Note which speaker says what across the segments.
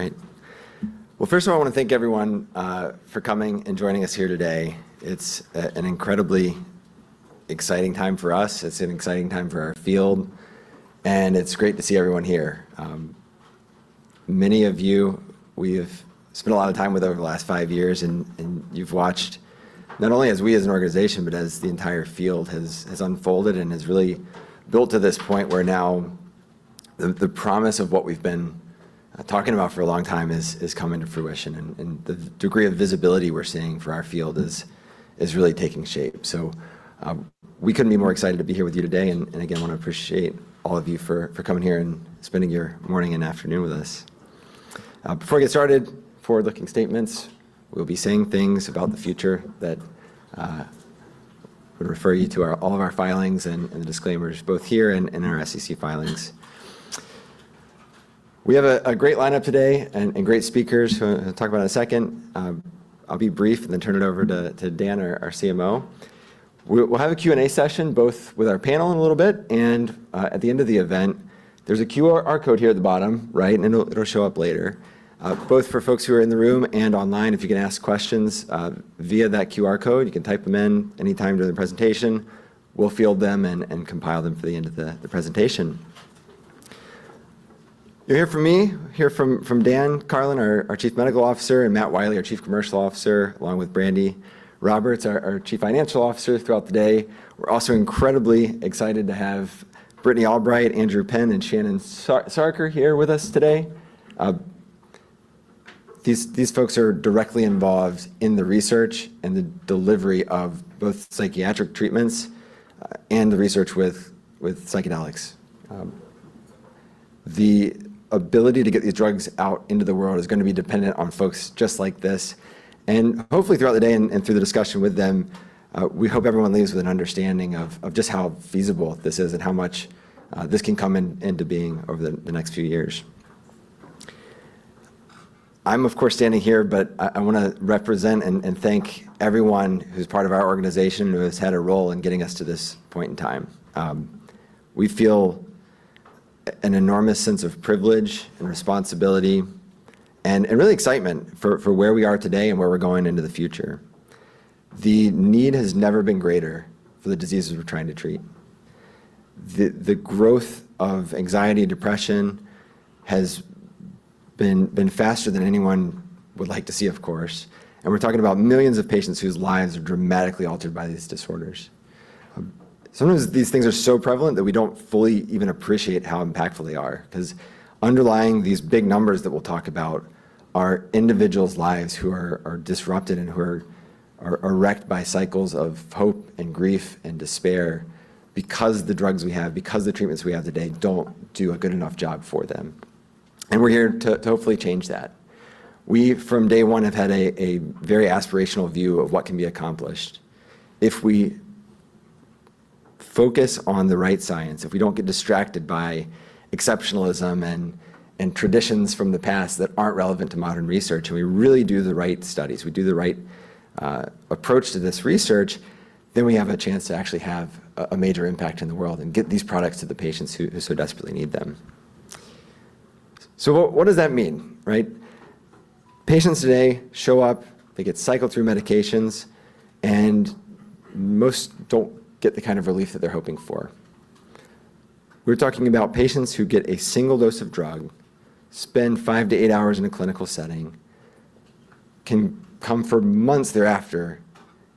Speaker 1: All right. Well, first of all, I want to thank everyone for coming and joining us here today. It's an incredibly exciting time for us. It's an exciting time for our field, and it's great to see everyone here. Many of you we have spent a lot of time with over the last five years, and you've watched not only as we as an organization, but as the entire field has unfolded and has really built to this point where now the promise of what we've been talking about for a long time is coming to fruition, and the degree of visibility we're seeing for our field is really taking shape. We couldn't be more excited to be here with you today, and again, want to appreciate all of you for coming here and spending your morning and afternoon with us. Before I get started, forward-looking statements. We'll be saying things about the future that would refer you to all of our filings and disclaimers, both here and in our SEC filings. We have a great lineup today and great speakers who I'll talk about in a second. I'll be brief and then turn it over to Dan, our CMO. We'll have a Q and A session both with our panel in a little bit and at the end of the event. There's a QR code here at the bottom, right? It'll show up later. Both for folks who are in the room and online, if you can ask questions via that QR code. You can type them in any time during the presentation. We'll field them and compile them for the end of the presentation. You'll hear from me, hear from Dan Karlin, our Chief Medical Officer, and Matt Wiley, our Chief Commercial Officer, along with Brandi Roberts, our Chief Financial Officer, throughout the day. We're also incredibly excited to have Brittany Albright, Andrew Penn, and Shannon Sarkar here with us today. These folks are directly involved in the research and the delivery of both psychiatric treatments and the research with psychedelics. The ability to get these drugs out into the world is going to be dependent on folks just like this. Hopefully throughout the day and through the discussion with them, we hope everyone leaves with an understanding of just how feasible this is and how much this can come into being over the next few years. I'm of course standing here, but I want to represent and thank everyone who's part of our organization, who has had a role in getting us to this point in time. We feel an enormous sense of privilege and responsibility and really excitement for where we are today and where we're going into the future. The need has never been greater for the diseases we're trying to treat. The growth of anxiety and depression has been faster than anyone would like to see, of course, and we're talking about millions of patients whose lives are dramatically altered by these disorders. Sometimes these things are so prevalent that we don't fully even appreciate how impactful they are, because underlying these big numbers that we'll talk about are individuals' lives who are disrupted and who are wrecked by cycles of hope and grief and despair because the drugs we have, because the treatments we have today don't do a good enough job for them. We're here to hopefully change that. We, from day one, have had a very aspirational view of what can be accomplished. If we focus on the right science, if we don't get distracted by exceptionalism and traditions from the past that aren't relevant to modern research, and we really do the right studies, we do the right approach to this research, then we have a chance to actually have a major impact in the world and get these products to the patients who so desperately need them. What does that mean, right? Patients today show up, they get cycled through medications, and most don't get the kind of relief that they're hoping for. We're talking about patients who get a single dose of drug, spend 5-8 hours in a clinical setting, can come for months thereafter,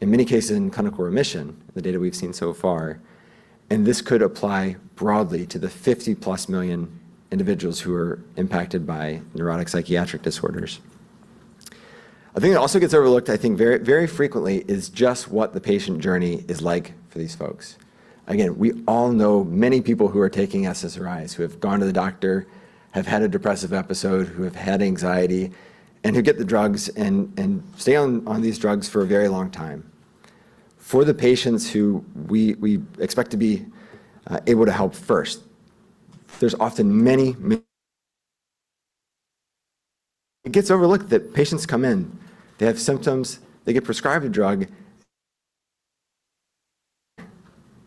Speaker 1: in many cases in clinical remission, the data we've seen so far, and this could apply broadly to the 50-plus million individuals who are impacted by neurotic psychiatric disorders. A thing that also gets overlooked, I think very frequently, is just what the patient journey is like for these folks. Again, we all know many people who are taking SSRIs, who have gone to the doctor, have had a depressive episode, who have had anxiety, and who get the drugs and stay on these drugs for a very long time. For the patients who we expect to be able to help first, there's often many. It gets overlooked that patients come in, they have symptoms, they get prescribed a drug.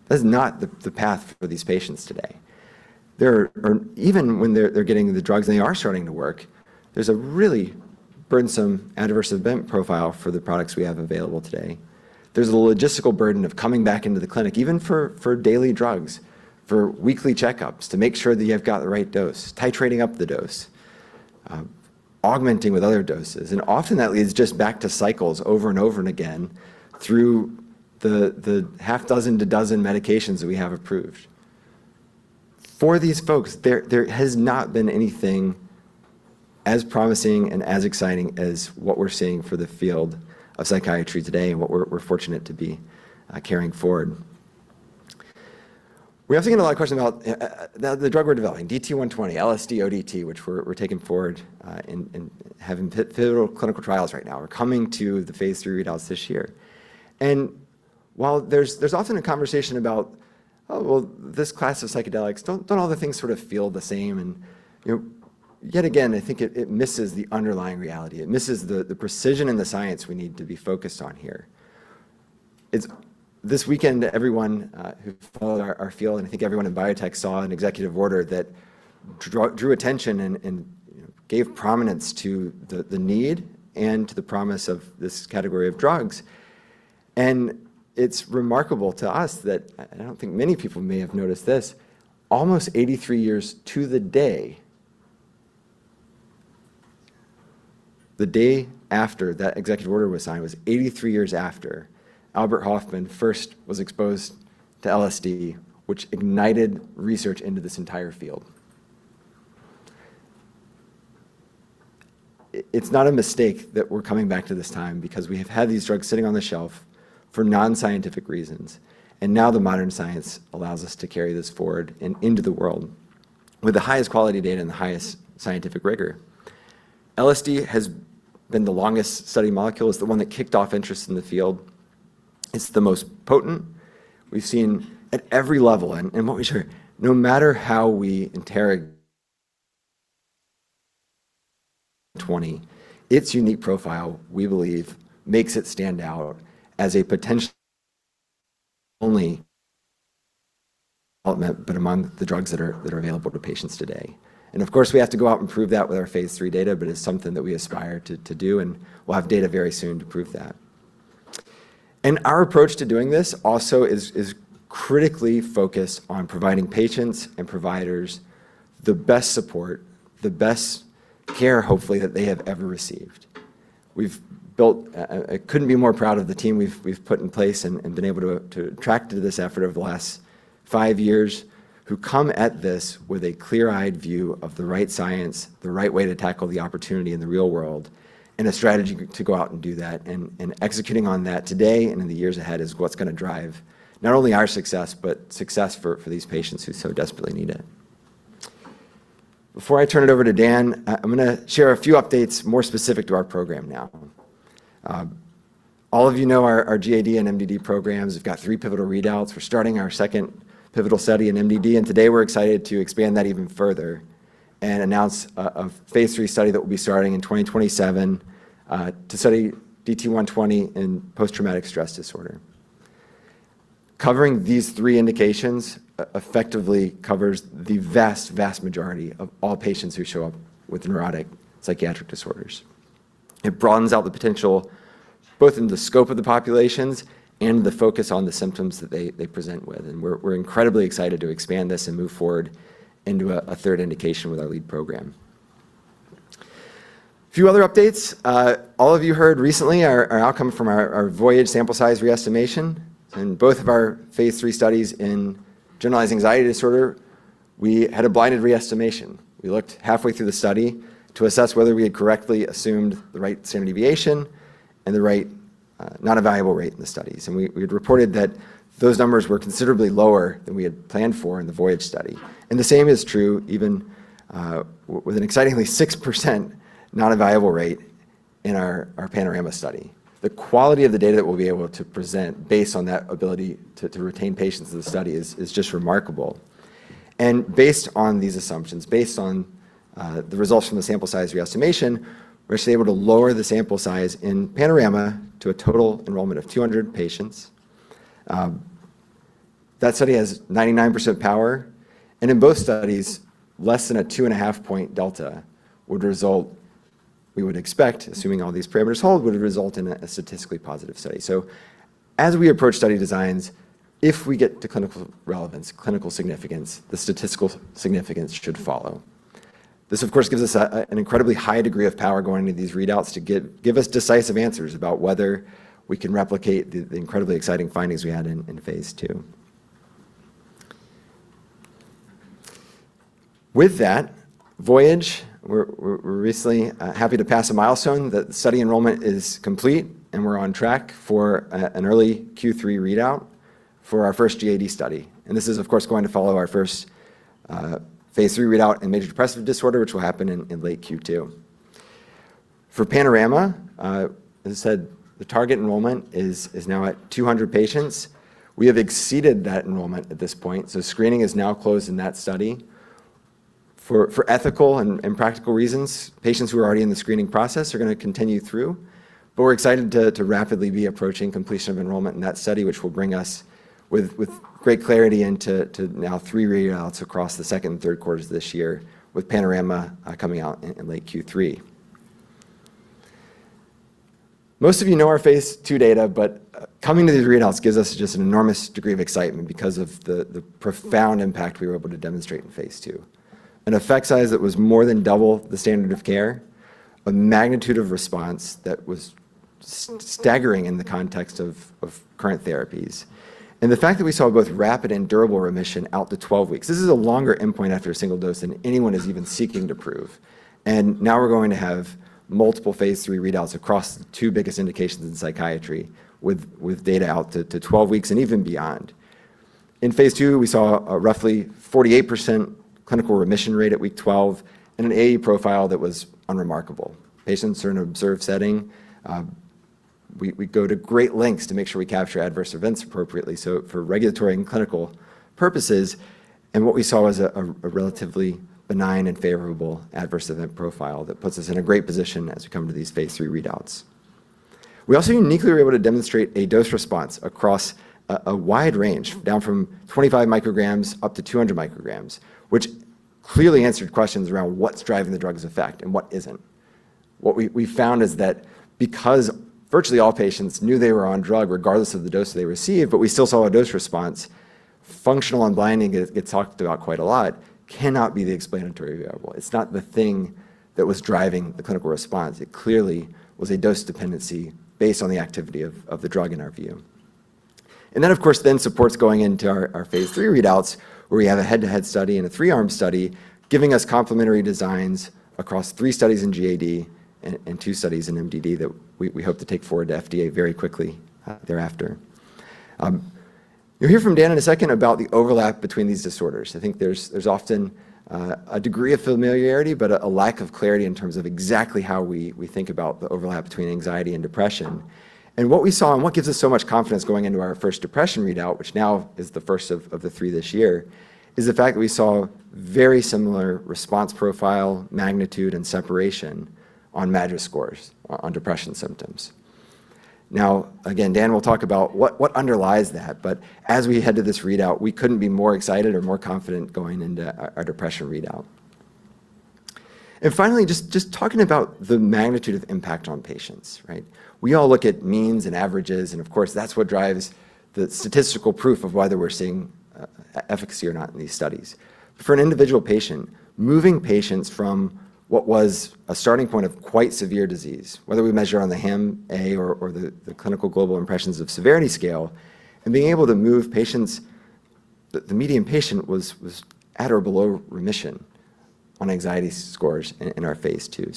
Speaker 1: That's not the path for these patients today. Even when they're getting the drugs and they are starting to work, there's a really burdensome adverse event profile for the products we have available today. There's the logistical burden of coming back into the clinic, even for daily drugs, for weekly checkups to make sure that you have got the right dose, titrating up the dose, augmenting with other doses. Often, that leads just back to cycles over and over and again through the half dozen, the dozen medications that we have approved. For these folks, there has not been anything as promising and as exciting as what we're seeing for the field of psychiatry today and what we're fortunate to be carrying forward. We have taken a lot of questions about the drug we're developing, DT120, LSD-ODT, which we're taking forward and having pivotal clinical trials right now. We're coming to the phase III readouts this year. While there's often a conversation about, "Oh, well, this class of psychedelics, don't all the things sort of feel the same?" Yet again, I think it misses the underlying reality. It misses the precision and the science we need to be focused on here. This weekend, everyone who followed our field, and I think everyone in biotech saw an executive order that drew attention and gave prominence to the need and to the promise of this category of drugs. It's remarkable to us that, I don't think many people may have noticed this, almost 83 years to the day. The day after that executive order was signed was 83 years after Albert Hofmann first was exposed to LSD, which ignited research into this entire field. It's not a mistake that we're coming back to this time, because we have had these drugs sitting on the shelf for non-scientific reasons. Now the modern science allows us to carry this forward and into the world, with the highest quality data and the highest scientific rigor. LSD has been the longest studied molecule. It's the one that kicked off interest in the field. It's the most potent. We've seen at every level, and what we share, no matter how we interrogate. Its unique profile, we believe, makes it stand out as a potential. Only the ultimate, but among the drugs that are available to patients today. Of course, we have to go out and prove that with our phase III data, but it's something that we aspire to do, and we'll have data very soon to prove that. Our approach to doing this also is critically focused on providing patients and providers the best support, the best care, hopefully, that they have ever received. I couldn't be more proud of the team we've put in place and been able to attract to this effort over the last five years, who come at this with a clear-eyed view of the right science, the right way to tackle the opportunity in the real world, and a strategy to go out and do that. Executing on that today and in the years ahead is what's going to drive not only our success but success for these patients who so desperately need it. Before I turn it over to Dan, I'm going to share a few updates more specific to our program now. All of you know our GAD and MDD programs. We've got three pivotal readouts. We're starting our second pivotal study in MDD, and today we're excited to expand that even further and announce a phase III study that we'll be starting in 2027 to study DT120 in post-traumatic stress disorder. Covering these three indications effectively covers the vast majority of all patients who show up with neurotic psychiatric disorders. It broadens out the potential both in the scope of the populations and the focus on the symptoms that they present with. We're incredibly excited to expand this and move forward into a third indication with our lead program. A few other updates. All of you heard recently our outcome from our VOYAGE sample size re-estimation. In both of our phase III studies in generalized anxiety disorder, we had a blinded re-estimation. We looked halfway through the study to assess whether we had correctly assumed the right standard deviation and the right not evaluable rate in the studies. We had reported that those numbers were considerably lower than we had planned for in the VOYAGE study. The same is true even with an excitingly 6% not evaluable rate in our PANORAMA study. The quality of the data that we'll be able to present based on that ability to retain patients in the study is just remarkable. Based on these assumptions, based on the results from the sample size re-estimation, we're actually able to lower the sample size in PANORAMA to a total enrollment of 200 patients. That study has 99% power, and in both studies, less than a 2.5 point delta would result, we would expect, assuming all these parameters hold, would result in a statistically positive study. As we approach study designs, if we get to clinical relevance, clinical significance, the statistical significance should follow. This, of course, gives us an incredibly high degree of power going into these readouts to give us decisive answers about whether we can replicate the incredibly exciting findings we had in phase II. With that, VOYAGE, we're recently happy to pass a milestone. The study enrollment is complete, and we're on track for an early Q3 readout for our first GAD study. This is, of course, going to follow our first phase III readout in major depressive disorder, which will happen in late Q2. For PANORAMA, as I said, the target enrollment is now at 200 patients. We have exceeded that enrollment at this point, so screening is now closed in that study. For ethical and practical reasons, patients who are already in the screening process are going to continue through, but we're excited to rapidly be approaching completion of enrollment in that study, which will bring us with great clarity into now three readouts across the second and third quarters of this year, with PANORAMA coming out in late Q3. Most of you know our phase II data, but coming to these readouts gives us just an enormous degree of excitement because of the profound impact we were able to demonstrate in phase II. An effect size that was more than double the standard of care, a magnitude of response that was staggering in the context of current therapies, and the fact that we saw both rapid and durable remission out to 12 weeks. This is a longer endpoint after a single dose than anyone is even seeking to prove. Now we're going to have multiple phase III readouts across the two biggest indications in psychiatry, with data out to 12 weeks and even beyond. In phase II, we saw a roughly 48% clinical remission rate at week 12 and an AE profile that was unremarkable. Patients are in an observed setting. We go to great lengths to make sure we capture adverse events appropriately. For regulatory and clinical purposes. What we saw was a relatively benign and favorable adverse event profile that puts us in a great position as we come to these phase III readouts. We also uniquely were able to demonstrate a dose response across a wide range, down from 25 micrograms up to 200 micrograms, which clearly answered questions around what's driving the drug's effect and what isn't. What we found is that because virtually all patients knew they were on drug, regardless of the dose they received, but we still saw a dose response, functional unblinding, it gets talked about quite a lot, cannot be the explanatory variable. It's not the thing that was driving the clinical response. It clearly was a dose dependency based on the activity of the drug in our view. That, of course, then supports going into our phase III readouts, where we have a head-to-head study and a three-arm study giving us complementary designs across three studies in GAD and two studies in MDD that we hope to take forward to FDA very quickly thereafter. You'll hear from Dan in a second about the overlap between these disorders. I think there's often a degree of familiarity, but a lack of clarity in terms of exactly how we think about the overlap between anxiety and depression. What we saw and what gives us so much confidence going into our first depression readout, which now is the first of the three this year, is the fact that we saw very similar response profile, magnitude, and separation on MADRS scores on depression symptoms. Now, again, Dan will talk about what underlies that. As we head to this readout, we couldn't be more excited or more confident going into our depression readout. Finally, just talking about the magnitude of impact on patients, right? We all look at means and averages, and of course, that's what drives the statistical proof of whether we're seeing efficacy or not in these studies. For an individual patient, moving patients from what was a starting point of quite severe disease, whether we measure on the HAM-A or the Clinical Global Impression-Severity scale, and being able to move patients. The median patient was at or below remission on anxiety scores in our phase II.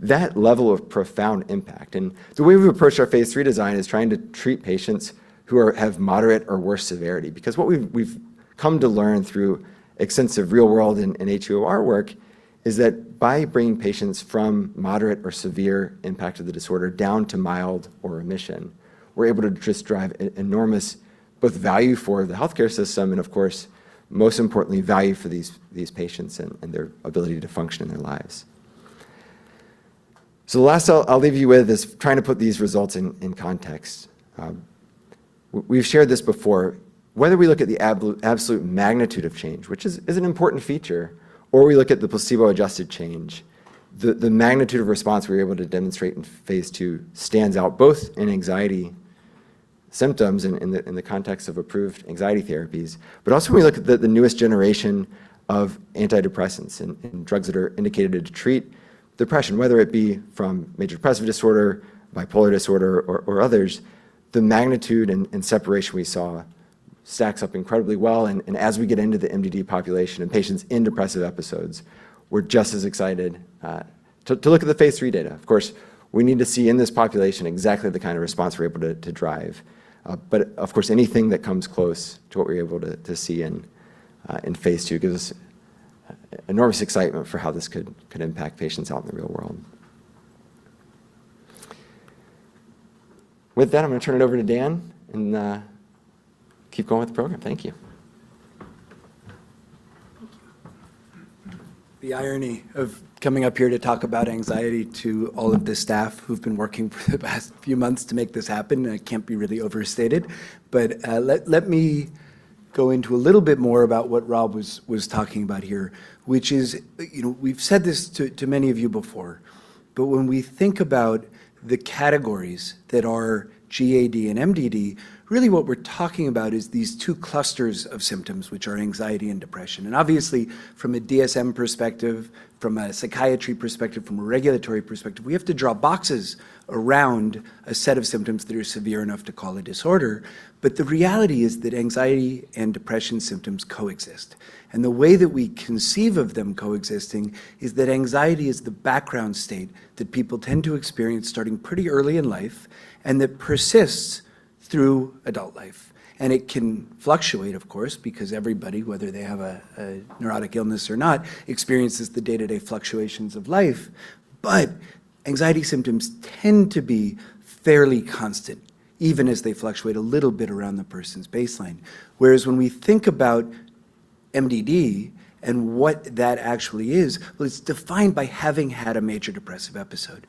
Speaker 1: That level of profound impact. The way we've approached our phase III design is trying to treat patients who have moderate or worse severity. Because what we've come to learn through extensive real-world and HEOR work is that by bringing patients from moderate or severe impact of the disorder down to mild or remission, we're able to just drive enormous both value for the healthcare system and, of course, most importantly, value for these patients and their ability to function in their lives. The last I'll leave you with is trying to put these results in context. We've shared this before. Whether we look at the absolute magnitude of change, which is an important feature, or we look at the placebo-adjusted change, the magnitude of response we were able to demonstrate in phase II stands out both in anxiety symptoms in the context of approved anxiety therapies, but also when we look at the newest generation of antidepressants and drugs that are indicated to treat depression, whether it be from major depressive disorder, bipolar disorder, or others, the magnitude and separation we saw stacks up incredibly well. As we get into the MDD population and patients in depressive episodes, we're just as excited to look at the phase III data. Of course, we need to see in this population exactly the kind of response we're able to drive. Of course, anything that comes close to what we're able to see in phase II gives us enormous excitement for how this could impact patients out in the real world. With that, I'm going to turn it over to Dan and keep going with the program. Thank you.
Speaker 2: Thank you. The irony of coming up here to talk about anxiety to all of the staff who've been working for the past few months to make this happen can't be really overstated. Let me go into a little bit more about what Rob was talking about here, which is, we've said this to many of you before, but when we think about the categories that are GAD and MDD, really what we're talking about is these two clusters of symptoms, which are anxiety and depression. Obviously, from a DSM perspective, from a psychiatry perspective, from a regulatory perspective, we have to draw boxes around a set of symptoms that are severe enough to call a disorder. The reality is that anxiety and depression symptoms coexist. The way that we conceive of them coexisting is that anxiety is the background state that people tend to experience starting pretty early in life and that persists through adult life. It can fluctuate, of course, because everybody, whether they have a neurotic illness or not, experiences the day-to-day fluctuations of life. Anxiety symptoms tend to be fairly constant, even as they fluctuate a little bit around the person's baseline. Whereas when we think about MDD and what that actually is, well, it's defined by having had a major depressive episode.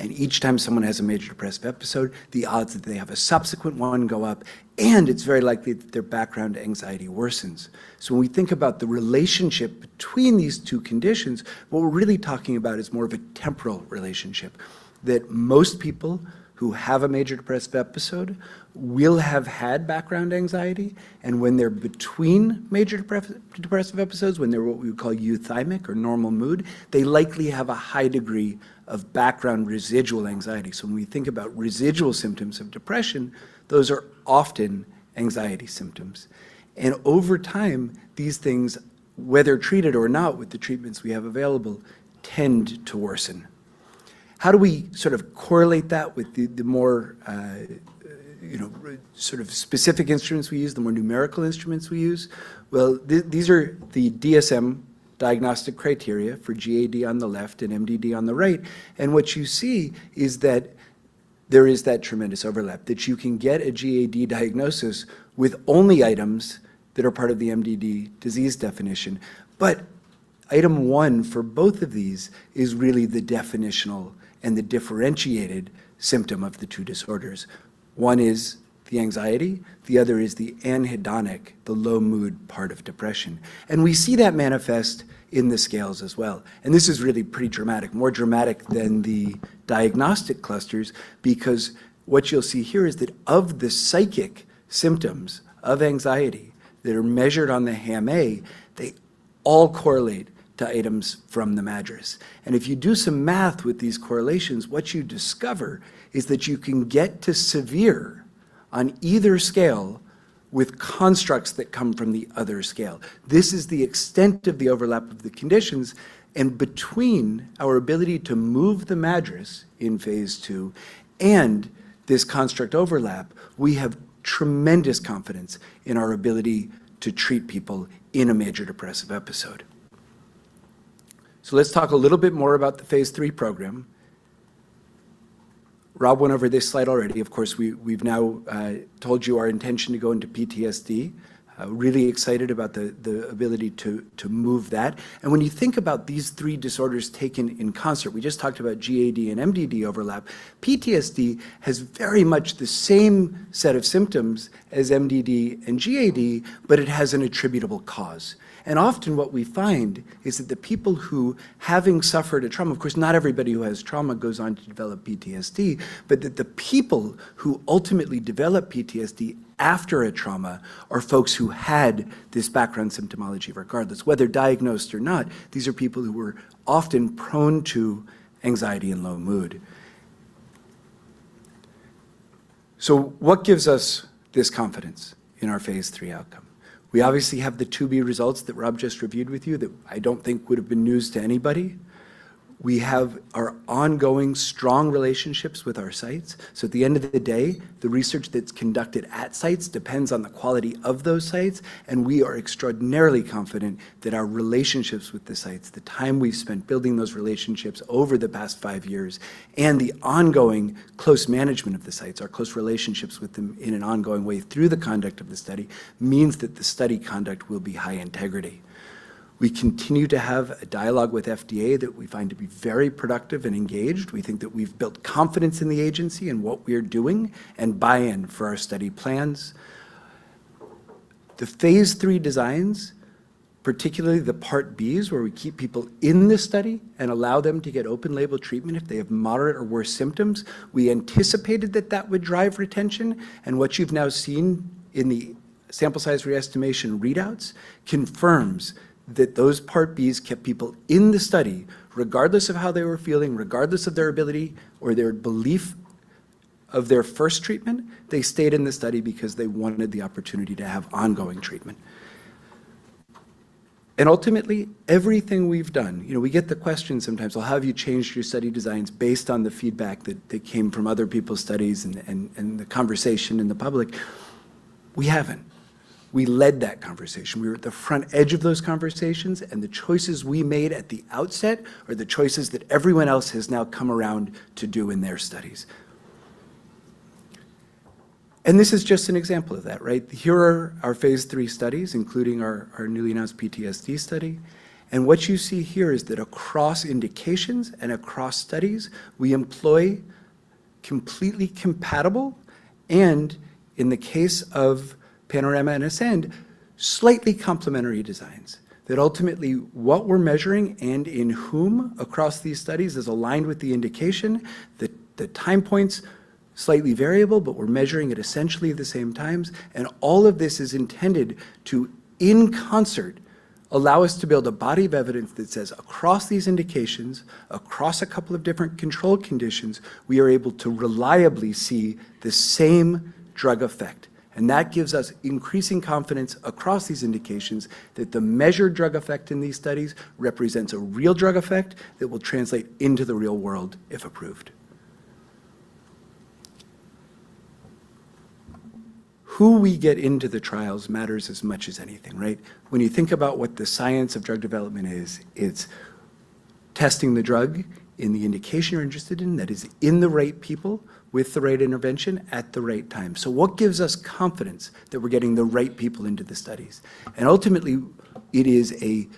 Speaker 2: Each time someone has a major depressive episode, the odds that they have a subsequent one go up and it's very likely that their background anxiety worsens. When we think about the relationship between these two conditions, what we're really talking about is more of a temporal relationship that most people who have a major depressive episode will have had background anxiety, and when they're between major depressive episodes, when they're what we call euthymic or normal mood, they likely have a high degree of background residual anxiety. When we think about residual symptoms of depression, those are often anxiety symptoms. Over time, these things, whether treated or not with the treatments we have available, tend to worsen. How do we sort of correlate that with the more sort of specific instruments we use, the more numerical instruments we use? Well, these are the DSM diagnostic criteria for GAD on the left and MDD on the right, and what you see is that there is that tremendous overlap that you can get a GAD diagnosis with only items that are part of the MDD disease definition. Item one for both of these is really the definitional and the differentiated symptom of the two disorders. One is the anxiety, the other is the anhedonic, the low mood part of depression. We see that manifest in the scales as well. This is really pretty dramatic, more dramatic than the diagnostic clusters, because what you'll see here is that of the psychic symptoms of anxiety that are measured on the HAM-A, they all correlate to items from the MADRS. If you do some math with these correlations, what you discover is that you can get to severe on either scale with constructs that come from the other scale. This is the extent of the overlap of the conditions. Between our ability to move the MADRS in phase II and this construct overlap, we have tremendous confidence in our ability to treat people in a major depressive episode. Let's talk a little bit more about the phase III program. Rob went over this slide already. Of course, we've now told you our intention to go into PTSD. Really excited about the ability to move that. When you think about these three disorders taken in concert, we just talked about GAD and MDD overlap. PTSD has very much the same set of symptoms as MDD and GAD, but it has an attributable cause. Often what we find is that the people who, having suffered a trauma, of course, not everybody who has trauma goes on to develop PTSD, but that the people who ultimately develop PTSD after a trauma are folks who had this background symptomology regardless. Whether diagnosed or not, these are people who were often prone to anxiety and low mood. What gives us this confidence in our phase III outcome? We obviously have the phase IIb results that Rob just reviewed with you that I don't think would have been news to anybody. We have our ongoing strong relationships with our sites. At the end of the day, the research that's conducted at sites depends on the quality of those sites, and we are extraordinarily confident that our relationships with the sites, the time we've spent building those relationships over the past five years, and the ongoing close management of the sites, our close relationships with them in an ongoing way through the conduct of the study, means that the study conduct will be high integrity. We continue to have a dialogue with FDA that we find to be very productive and engaged. We think that we've built confidence in the agency and what we're doing and buy-in for our study plans. The phase III designs, particularly the part Bs where we keep people in the study and allow them to get open label treatment if they have moderate or worse symptoms, we anticipated that that would drive retention. What you've now seen in the sample size re-estimation readouts confirms that those part Bs kept people in the study regardless of how they were feeling, regardless of their ability or their belief of their first treatment. They stayed in the study because they wanted the opportunity to have ongoing treatment. Ultimately, everything we've done, we get the question sometimes, "Well, have you changed your study designs based on the feedback that came from other people's studies and the conversation in the public?" We haven't. We led that conversation. We were at the front edge of those conversations, and the choices we made at the outset are the choices that everyone else has now come around to do in their studies. This is just an example of that. Here are our phase III studies, including our newly announced PTSD study. What you see here is that across indications and across studies, we employ completely compatible and, in the case of PANORAMA and ASCEND, slightly complementary designs. That ultimately, what we're measuring and in whom across these studies is aligned with the indication. The time points are slightly variable, but we're measuring it essentially at the same times. All of this is intended to, in concert, allow us to build a body of evidence that says across these indications, across a couple of different control conditions, we are able to reliably see the same drug effect. That gives us increasing confidence across these indications that the measured drug effect in these studies represents a real drug effect that will translate into the real world if approved. Who we get into the trials matters as much as anything. When you think about what the science of drug development is, it's testing the drug in the indication you're interested in that is in the right people with the right intervention at the right time. What gives us confidence that we're getting the right people into the studies? Ultimately, it is an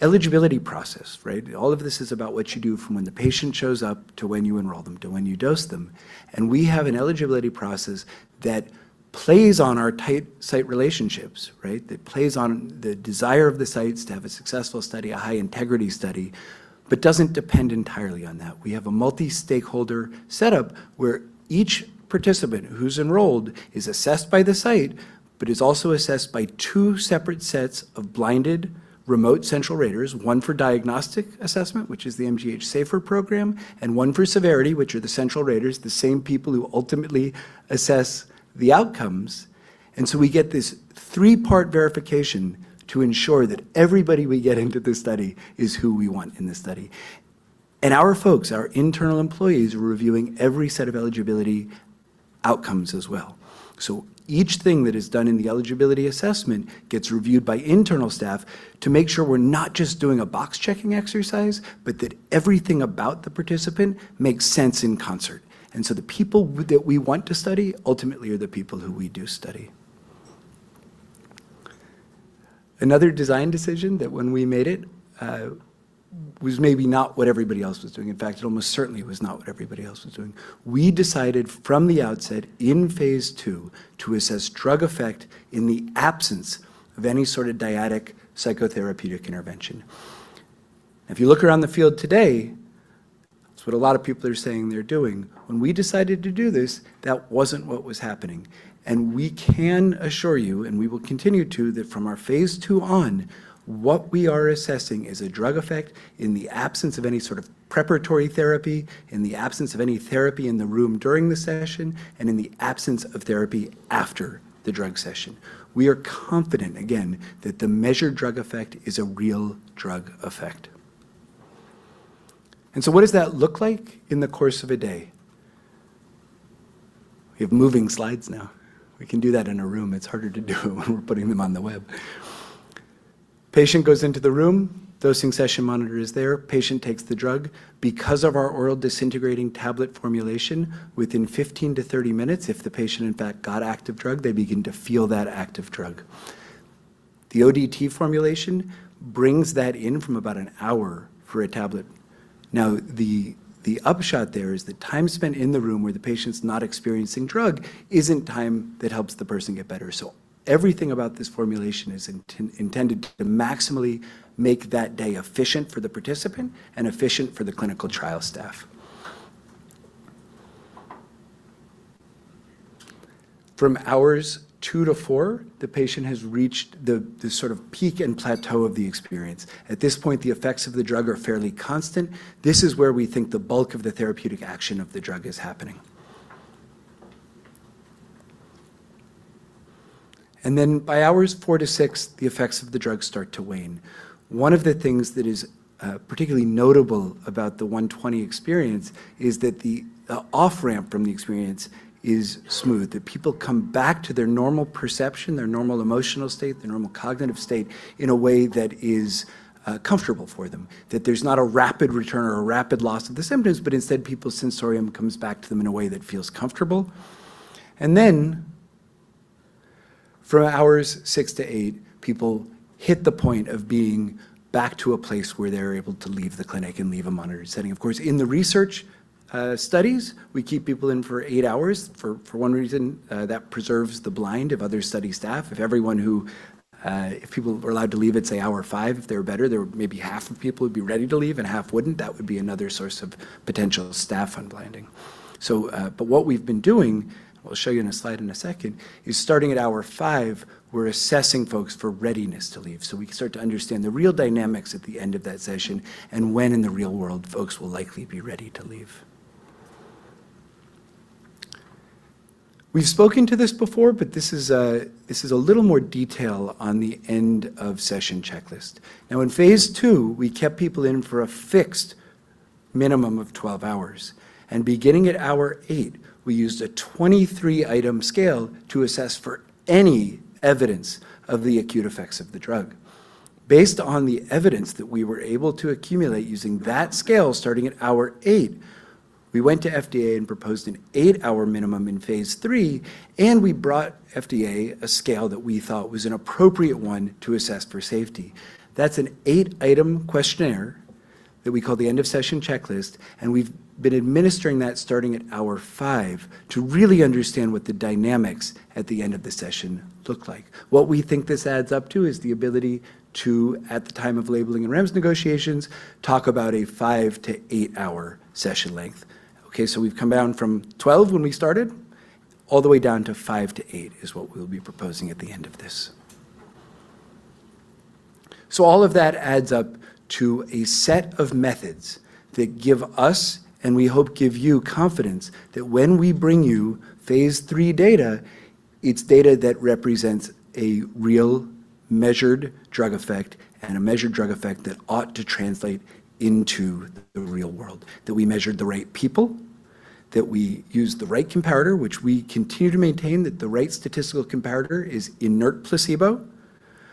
Speaker 2: eligibility process. All of this is about what you do from when the patient shows up to when you enroll them, to when you dose them. We have an eligibility process that plays on our tight site relationships. That plays on the desire of the sites to have a successful study, a high-integrity study, but doesn't depend entirely on that. We have a multi-stakeholder setup where each participant who's enrolled is assessed by the site but is also assessed by two separate sets of blinded remote central raters, one for diagnostic assessment, which is the MGH SAFER program, and one for severity, which are the central raters, the same people who ultimately assess the outcomes. We get this three-part verification to ensure that everybody we get into the study is who we want in the study. Our folks, our internal employees, are reviewing every set of eligibility outcomes as well. Each thing that is done in the eligibility assessment gets reviewed by internal staff to make sure we're not just doing a box-checking exercise, but that everything about the participant makes sense in concert. The people that we want to study ultimately are the people who we do study. Another design decision that when we made it, was maybe not what everybody else was doing. In fact, it almost certainly was not what everybody else was doing. We decided from the outset in phase II to assess drug effect in the absence of any sort of dyadic psychotherapeutic intervention. If you look around the field today, that's what a lot of people are saying they're doing. When we decided to do this, that wasn't what was happening. We can assure you, and we will continue to, that from our phase II on, what we are assessing is a drug effect in the absence of any sort of preparatory therapy, in the absence of any therapy in the room during the session, and in the absence of therapy after the drug session. We are confident, again, that the measured drug effect is a real drug effect. What does that look like in the course of a day? We have moving slides now. We can do that in a room. It's harder to do when we're putting them on the web. Patient goes into the room, dosing session monitor is there, patient takes the drug. Because of our oral disintegrating tablet formulation, within 15-30 minutes, if the patient in fact got active drug, they begin to feel that active drug. The ODT formulation brings that in from about an hour for a tablet. Now, the upshot there is the time spent in the room where the patient's not experiencing drug isn't time that helps the person get better. Everything about this formulation is intended to maximally make that day efficient for the participant and efficient for the clinical trial staff. From hours two to four, the patient has reached the peak and plateau of the experience. At this point, the effects of the drug are fairly constant. This is where we think the bulk of the therapeutic action of the drug is happening. Then by hours four to six, the effects of the drug start to wane. One of the things that is particularly notable about the DT120 experience is that the off-ramp from the experience is smooth, that people come back to their normal perception, their normal emotional state, their normal cognitive state in a way that is comfortable for them. That there's not a rapid return or a rapid loss of the symptoms, but instead, people's sensorium comes back to them in a way that feels comfortable. For hours six to eight, people hit the point of being back to a place where they're able to leave the clinic and leave a monitored setting. Of course, in the research studies, we keep people in for eight hours. For one reason, that preserves the blind of other study staff. If people were allowed to leave at, say, hour five, if they were better, maybe half of people would be ready to leave and half wouldn't. That would be another source of potential staff unblinding. What we've been doing, I'll show you in a slide in a second, is starting at hour five, we're assessing folks for readiness to leave. We can start to understand the real dynamics at the end of that session and when in the real world folks will likely be ready to leave. We've spoken to this before, but this is a little more detail on the end of session checklist. Now, in phase II, we kept people in for a fixed minimum of 12 hours. Beginning at hour eight, we used a 23-item scale to assess for any evidence of the acute effects of the drug. Based on the evidence that we were able to accumulate using that scale starting at hour eight, we went to FDA and proposed an eight hour minimum in phase III, and we brought FDA a scale that we thought was an appropriate one to assess for safety. That's an eight item questionnaire that we call the end of session checklist, and we've been administering that starting at hour five to really understand what the dynamics at the end of the session look like. What we think this adds up to is the ability to, at the time of labeling and REMS negotiations, talk about a five to eight hour session length. Okay, we've come down from 12 when we started all the way down to five to eight is what we'll be proposing at the end of this. All of that adds up to a set of methods that give us, and we hope give you, confidence that when we bring you phase III data, it's data that represents a real measured drug effect and a measured drug effect that ought to translate into the real world, that we measured the right people, that we used the right comparator, which we continue to maintain that the right statistical comparator is inert placebo.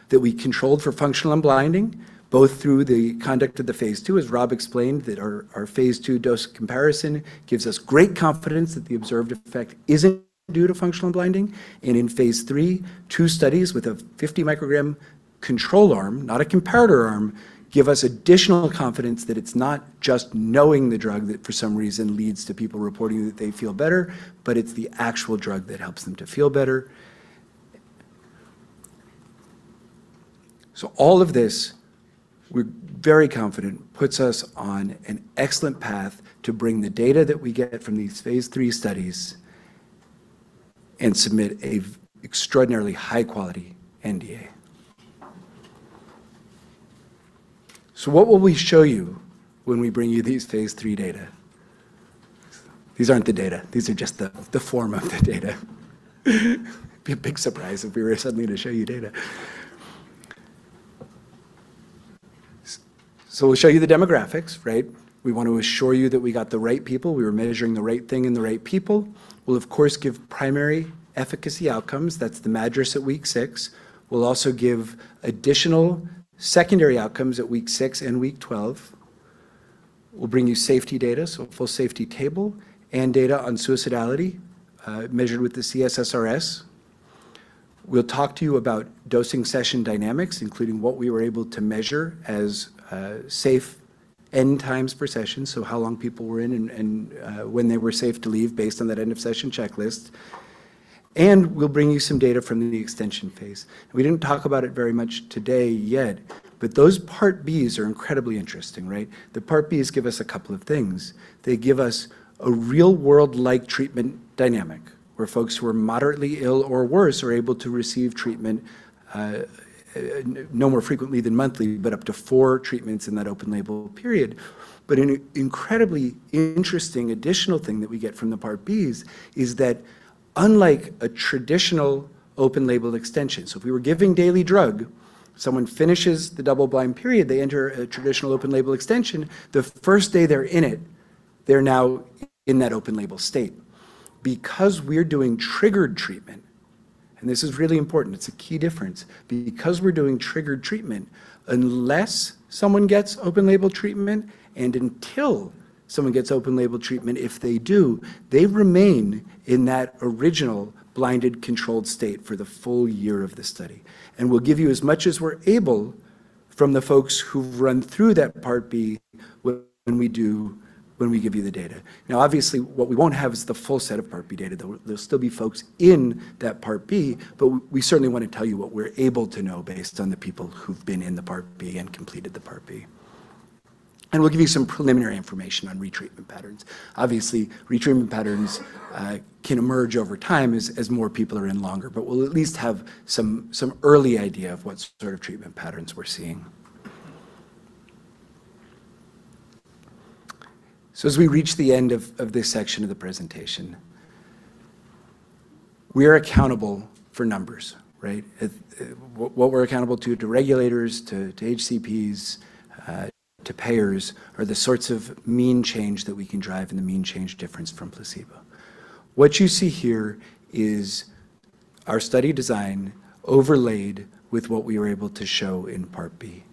Speaker 2: That we controlled for functional unblinding, both through the conduct of the phase II, as Rob explained, that our phase II dose comparison gives us great confidence that the observed effect isn't due to functional unblinding. In phase III, two studies with a 50-microgram control arm, not a comparator arm, give us additional confidence that it's not just knowing the drug that for some reason leads to people reporting that they feel better, but it's the actual drug that helps them to feel better. All of this, we're very confident, puts us on an excellent path to bring the data that we get from these phase III studies and submit an extraordinarily high-quality NDA. What will we show you when we bring you these phase III data? These aren't the data. These are just the form of the data. It'd be a big surprise if we were suddenly to show you data. So we'll show you the demographics, right? We want to assure you that we got the right people, we were measuring the right thing and the right people. We'll, of course, give primary efficacy outcomes. That's the MADRS at week six. We'll also give additional secondary outcomes at week six and week 12. We'll bring you safety data, so a full safety table, and data on suicidality, measured with the C-SSRS. We'll talk to you about dosing session dynamics, including what we were able to measure as safe end times per session, so how long people were in and when they were safe to leave based on that end of session checklist. We'll bring you some data from the extension phase. We didn't talk about it very much today yet, but those Part Bs are incredibly interesting, right? The Part Bs give us a couple of things. They give us a real-world like treatment dynamic, where folks who are moderately ill or worse are able to receive treatment, no more frequently than monthly, but up to four treatments in that open label period. An incredibly interesting additional thing that we get from the Part Bs is that unlike a traditional open label extension, so if we were giving daily drug, someone finishes the double-blind period, they enter a traditional open label extension. The first day they're in it, they're now in that open label state. Because we're doing triggered treatment, and this is really important, it's a key difference. Because we're doing triggered treatment, unless someone gets open label treatment and until someone gets open label treatment, if they do, they remain in that original blinded, controlled state for the full year of the study. We'll give you as much as we're able from the folks who've run through that Part B when we give you the data. Now, obviously, what we won't have is the full set of Part B data. There'll still be folks in that Part B, but we certainly want to tell you what we're able to know based on the people who've been in the Part B and completed the Part B. We'll give you some preliminary information on retreatment patterns. Obviously, retreatment patterns can emerge over time as more people are in longer. We'll at least have some early idea of what sort of treatment patterns we're seeing. As we reach the end of this section of the presentation, we are accountable for numbers, right? What we're accountable to regulators, to HCPs, to payers, are the sorts of mean change that we can drive and the mean change difference from placebo. What you see here is our study design overlaid with what we were able to show in Part B.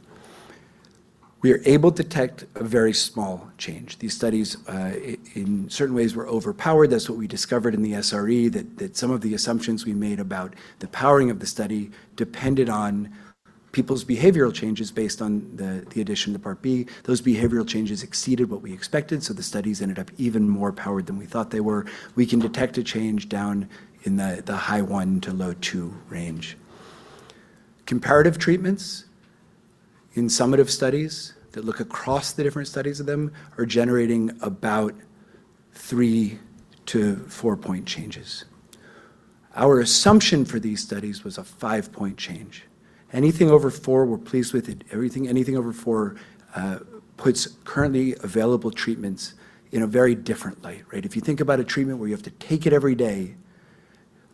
Speaker 2: We are able to detect a very small change. These studies, in certain ways, were overpowered. That's what we discovered in the SRE, that some of the assumptions we made about the powering of the study depended on people's behavioral changes based on the addition to Part B. Those behavioral changes exceeded what we expected, so the studies ended up even more powered than we thought they were. We can detect a change down in the high one to low two range. Comparative treatments in summative studies that look across the different studies of them are generating about 3-4-point changes. Our assumption for these studies was a five point change. Anything over four, we're pleased with it. Anything over four puts currently available treatments in a very different light, right? If you think about a treatment where you have to take it every day,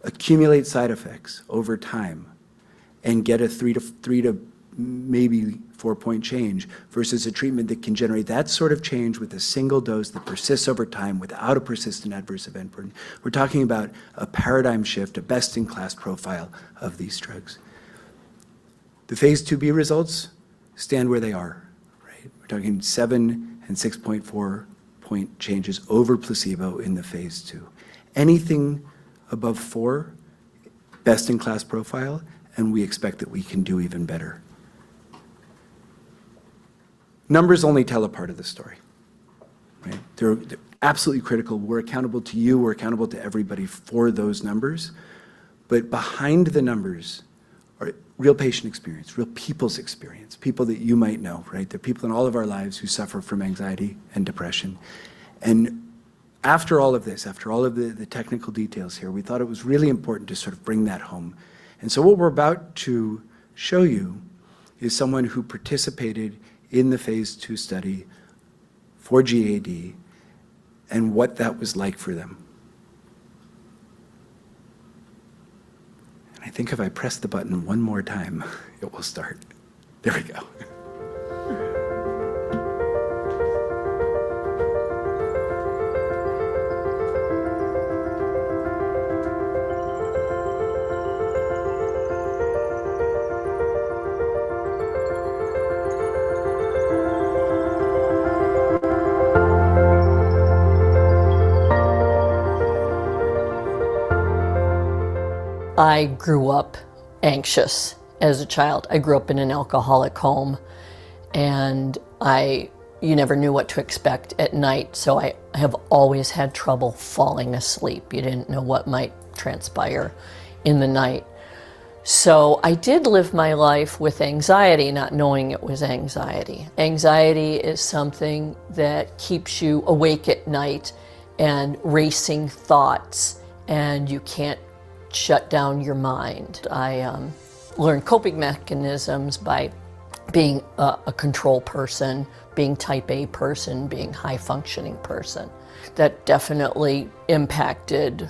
Speaker 2: accumulate side effects over time, and get a three to maybe four point change, versus a treatment that can generate that sort of change with a single dose that persists over time without a persistent adverse event burden. We're talking about a paradigm shift, a best-in-class profile of these drugs. The phase IIb results stand where they are, right? We're talking seven and 6.4-point changes over placebo in the phase II. Anything above four, best-in-class profile, and we expect that we can do even better. Numbers only tell a part of the story, right? They're absolutely critical. We're accountable to you, we're accountable to everybody for those numbers. Behind the numbers are real patient experience, real people's experience, people that you might know, right? They're people in all of our lives who suffer from anxiety and depression. After all of this, after all of the technical details here, we thought it was really important to sort of bring that home. What we're about to show you is someone who participated in the phase II study for GAD and what that was like for them. I think if I press the button one more time, it will start. There we go.
Speaker 3: I grew up anxious as a child. I grew up in an alcoholic home, and you never knew what to expect at night, so I have always had trouble falling asleep. You didn't know what might transpire in the night. I did live my life with anxiety, not knowing it was anxiety. Anxiety is something that keeps you awake at night and racing thoughts, and you can't shut down your mind. I learned coping mechanisms by being a control person, being type A person, being high-functioning person. That definitely impacted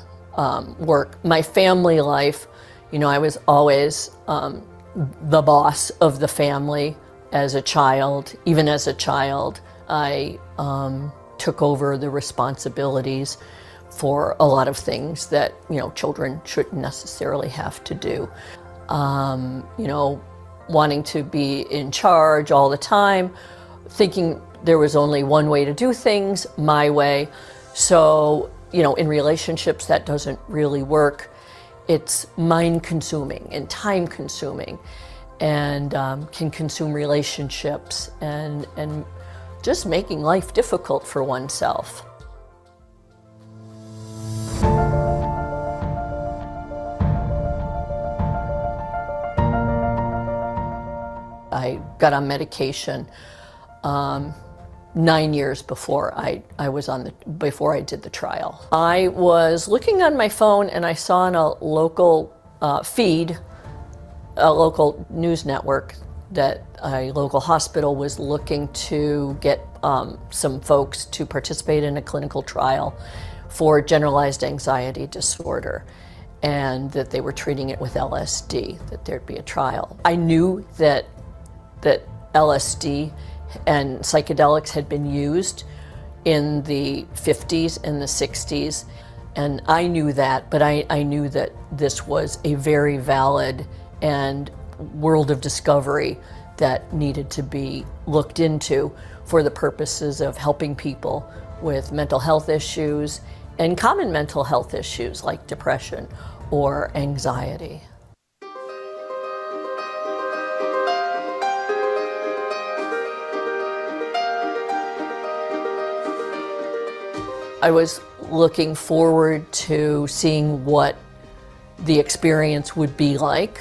Speaker 3: work. My family life, I was always the boss of the family. As a child, even as a child, I took over the responsibilities for a lot of things that children shouldn't necessarily have to do. Wanting to be in charge all the time, thinking there was only one way to do things, my way. In relationships, that doesn't really work. It's mind-consuming and time-consuming and can consume relationships and just making life difficult for oneself. I got on medication nine years before I did the trial. I was looking on my phone, and I saw on a local feed, a local news network, that a local hospital was looking to get some folks to participate in a clinical trial for generalized anxiety disorder, and that they were treating it with LSD, that there'd be a trial. I knew that LSD and psychedelics had been used in the 1950s and the 1960s, and I knew that, but I knew that this was a very valid and world of discovery that needed to be looked into for the purposes of helping people with mental health issues and common mental health issues like depression or anxiety. I was looking forward to seeing what the experience would be like.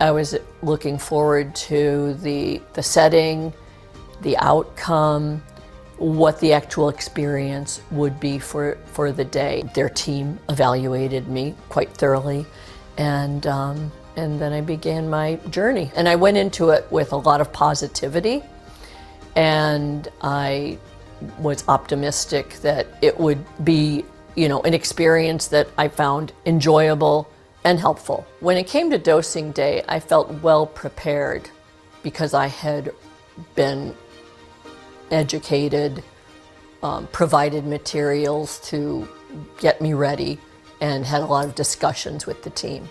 Speaker 3: I was looking forward to the setting, the outcome, what the actual experience would be for the day. Their team evaluated me quite thoroughly, and then I began my journey. I went into it with a lot of positivity, and I was optimistic that it would be an experience that I found enjoyable and helpful. When it came to dosing day, I felt well prepared because I had been educated, provided materials to get me ready, and had a lot of discussions with the team.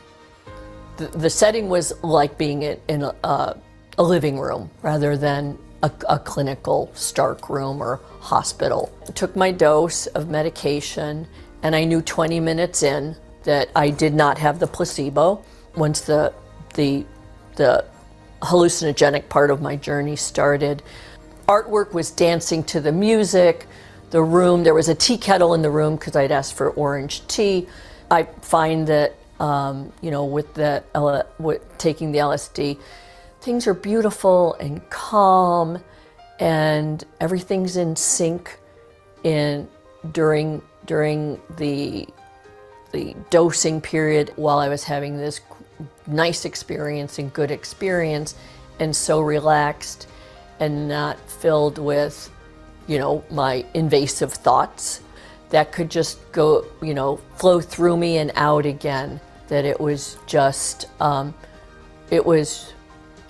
Speaker 3: The setting was like being in a living room rather than a clinical stark room or hospital. I took my dose of medication, and I knew 20 minutes in that I did not have the placebo. Once the hallucinogenic part of my journey started, artwork was dancing to the music. There was a tea kettle in the room because I'd asked for orange tea. I find that with taking the LSD, things are beautiful and calm, and everything's in sync during the dosing period. While I was having this nice experience and good experience and so relaxed and not filled with my invasive thoughts that could just flow through me and out again, that it was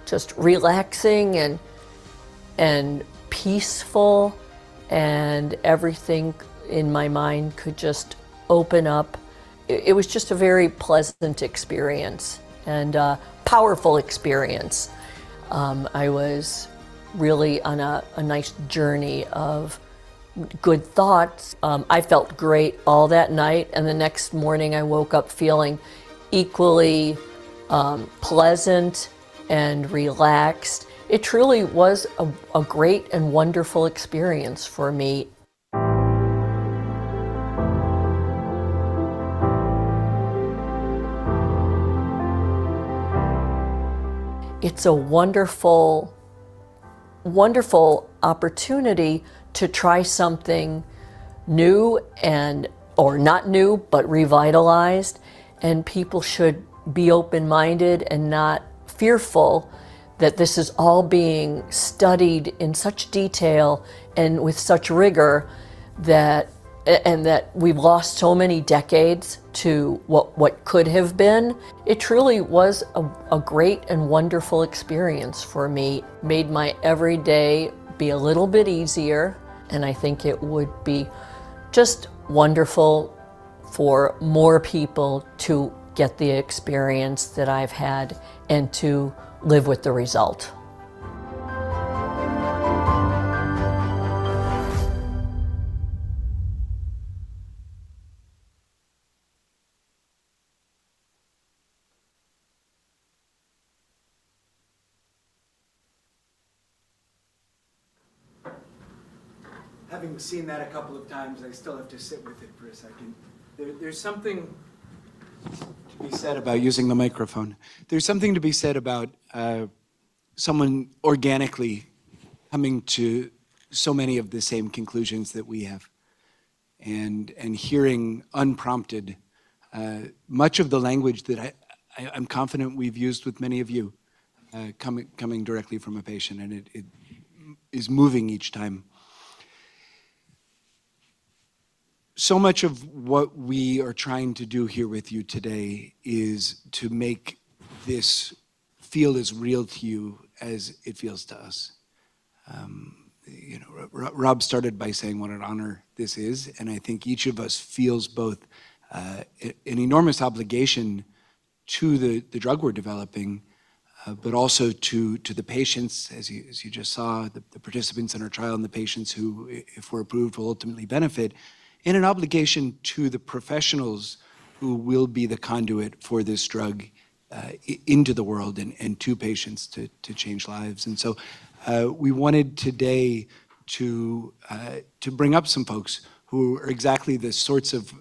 Speaker 3: just relaxing and peaceful, and everything in my mind could just open up. It was just a very pleasant experience and a powerful experience. I was really on a nice journey of good thoughts. I felt great all that night, and the next morning I woke up feeling equally pleasant and relaxed. It truly was a great and wonderful experience for me. It's a wonderful opportunity to try something new, or not new, but revitalized, and people should be open-minded and not fearful that this is all being studied in such detail and with such rigor, and that we've lost so many decades to what could have been. It truly was a great and wonderful experience for me. It made my every day be a little bit easier, and I think it would be just wonderful for more people to get the experience that I've had and to live with the result.
Speaker 2: Having seen that a couple of times, I still have to sit with it for a second. There's something to be said about using the microphone. There's something to be said about someone organically coming to so many of the same conclusions that we have and hearing unprompted much of the language that I'm confident we've used with many of you coming directly from a patient, and it is moving each time. Much of what we are trying to do here with you today is to make this feel as real to you as it feels to us. Rob started by saying what an honor this is, and I think each of us feels both an enormous obligation to the drug we're developing, but also to the patients, as you just saw, the participants in our trial and the patients who, if we're approved, will ultimately benefit, and an obligation to the professionals who will be the conduit for this drug into the world and to patients to change lives. We wanted today to bring up some folks who are exactly the sorts of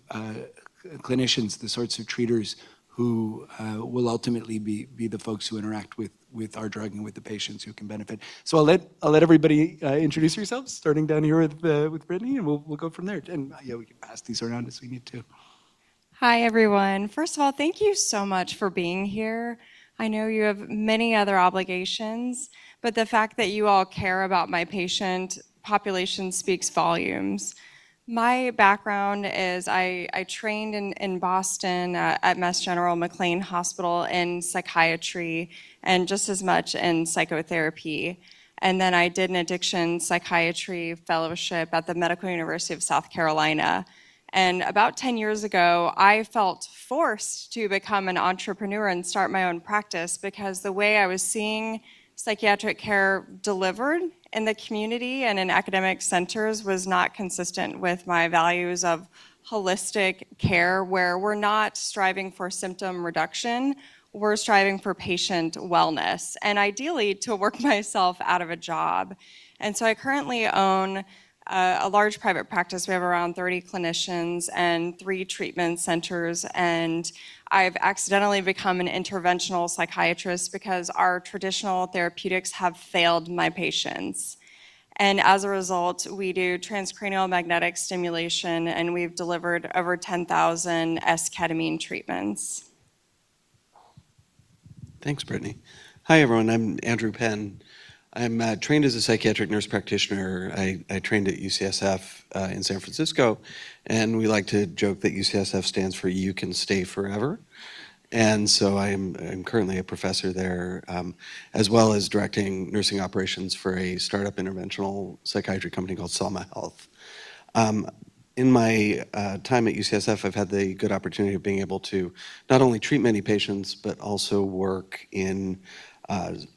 Speaker 2: clinicians, the sorts of treaters who will ultimately be the folks who interact with our drug and with the patients who can benefit. I'll let everybody introduce yourselves, starting down here with Brittany, and we'll go from there. Yeah, we can pass these around as we need to.
Speaker 4: Hi, everyone. First of all, thank you so much for being here. I know you have many other obligations, but the fact that you all care about my patient population speaks volumes. My background is I trained in Boston at Massachusetts General Hospital/McLean Hospital in psychiatry, and just as much in psychotherapy. Then I did an addiction psychiatry fellowship at the Medical University of South Carolina. About 10 years ago, I felt forced to become an entrepreneur and start my own practice because the way I was seeing psychiatric care delivered in the community and in academic centers was not consistent with my values of holistic care, where we're not striving for symptom reduction, we're striving for patient wellness. Ideally, to work myself out of a job. So I currently own a large private practice. We have around 30 clinicians and three treatment centers. I've accidentally become an interventional psychiatrist because our traditional therapeutics have failed my patients. As a result, we do transcranial magnetic stimulation, and we've delivered over 10,000 esketamine treatments.
Speaker 5: Thanks, Brittany. Hi, everyone. I'm Andrew Penn. I'm trained as a psychiatric nurse practitioner. I trained at UCSF in San Francisco, and we like to joke that UCSF stands for You Can Stay Forever. I am currently a professor there, as well as directing nursing operations for a startup interventional psychiatry company called Soma Health. In my time at UCSF, I've had the good opportunity of being able to not only treat many patients, but also work in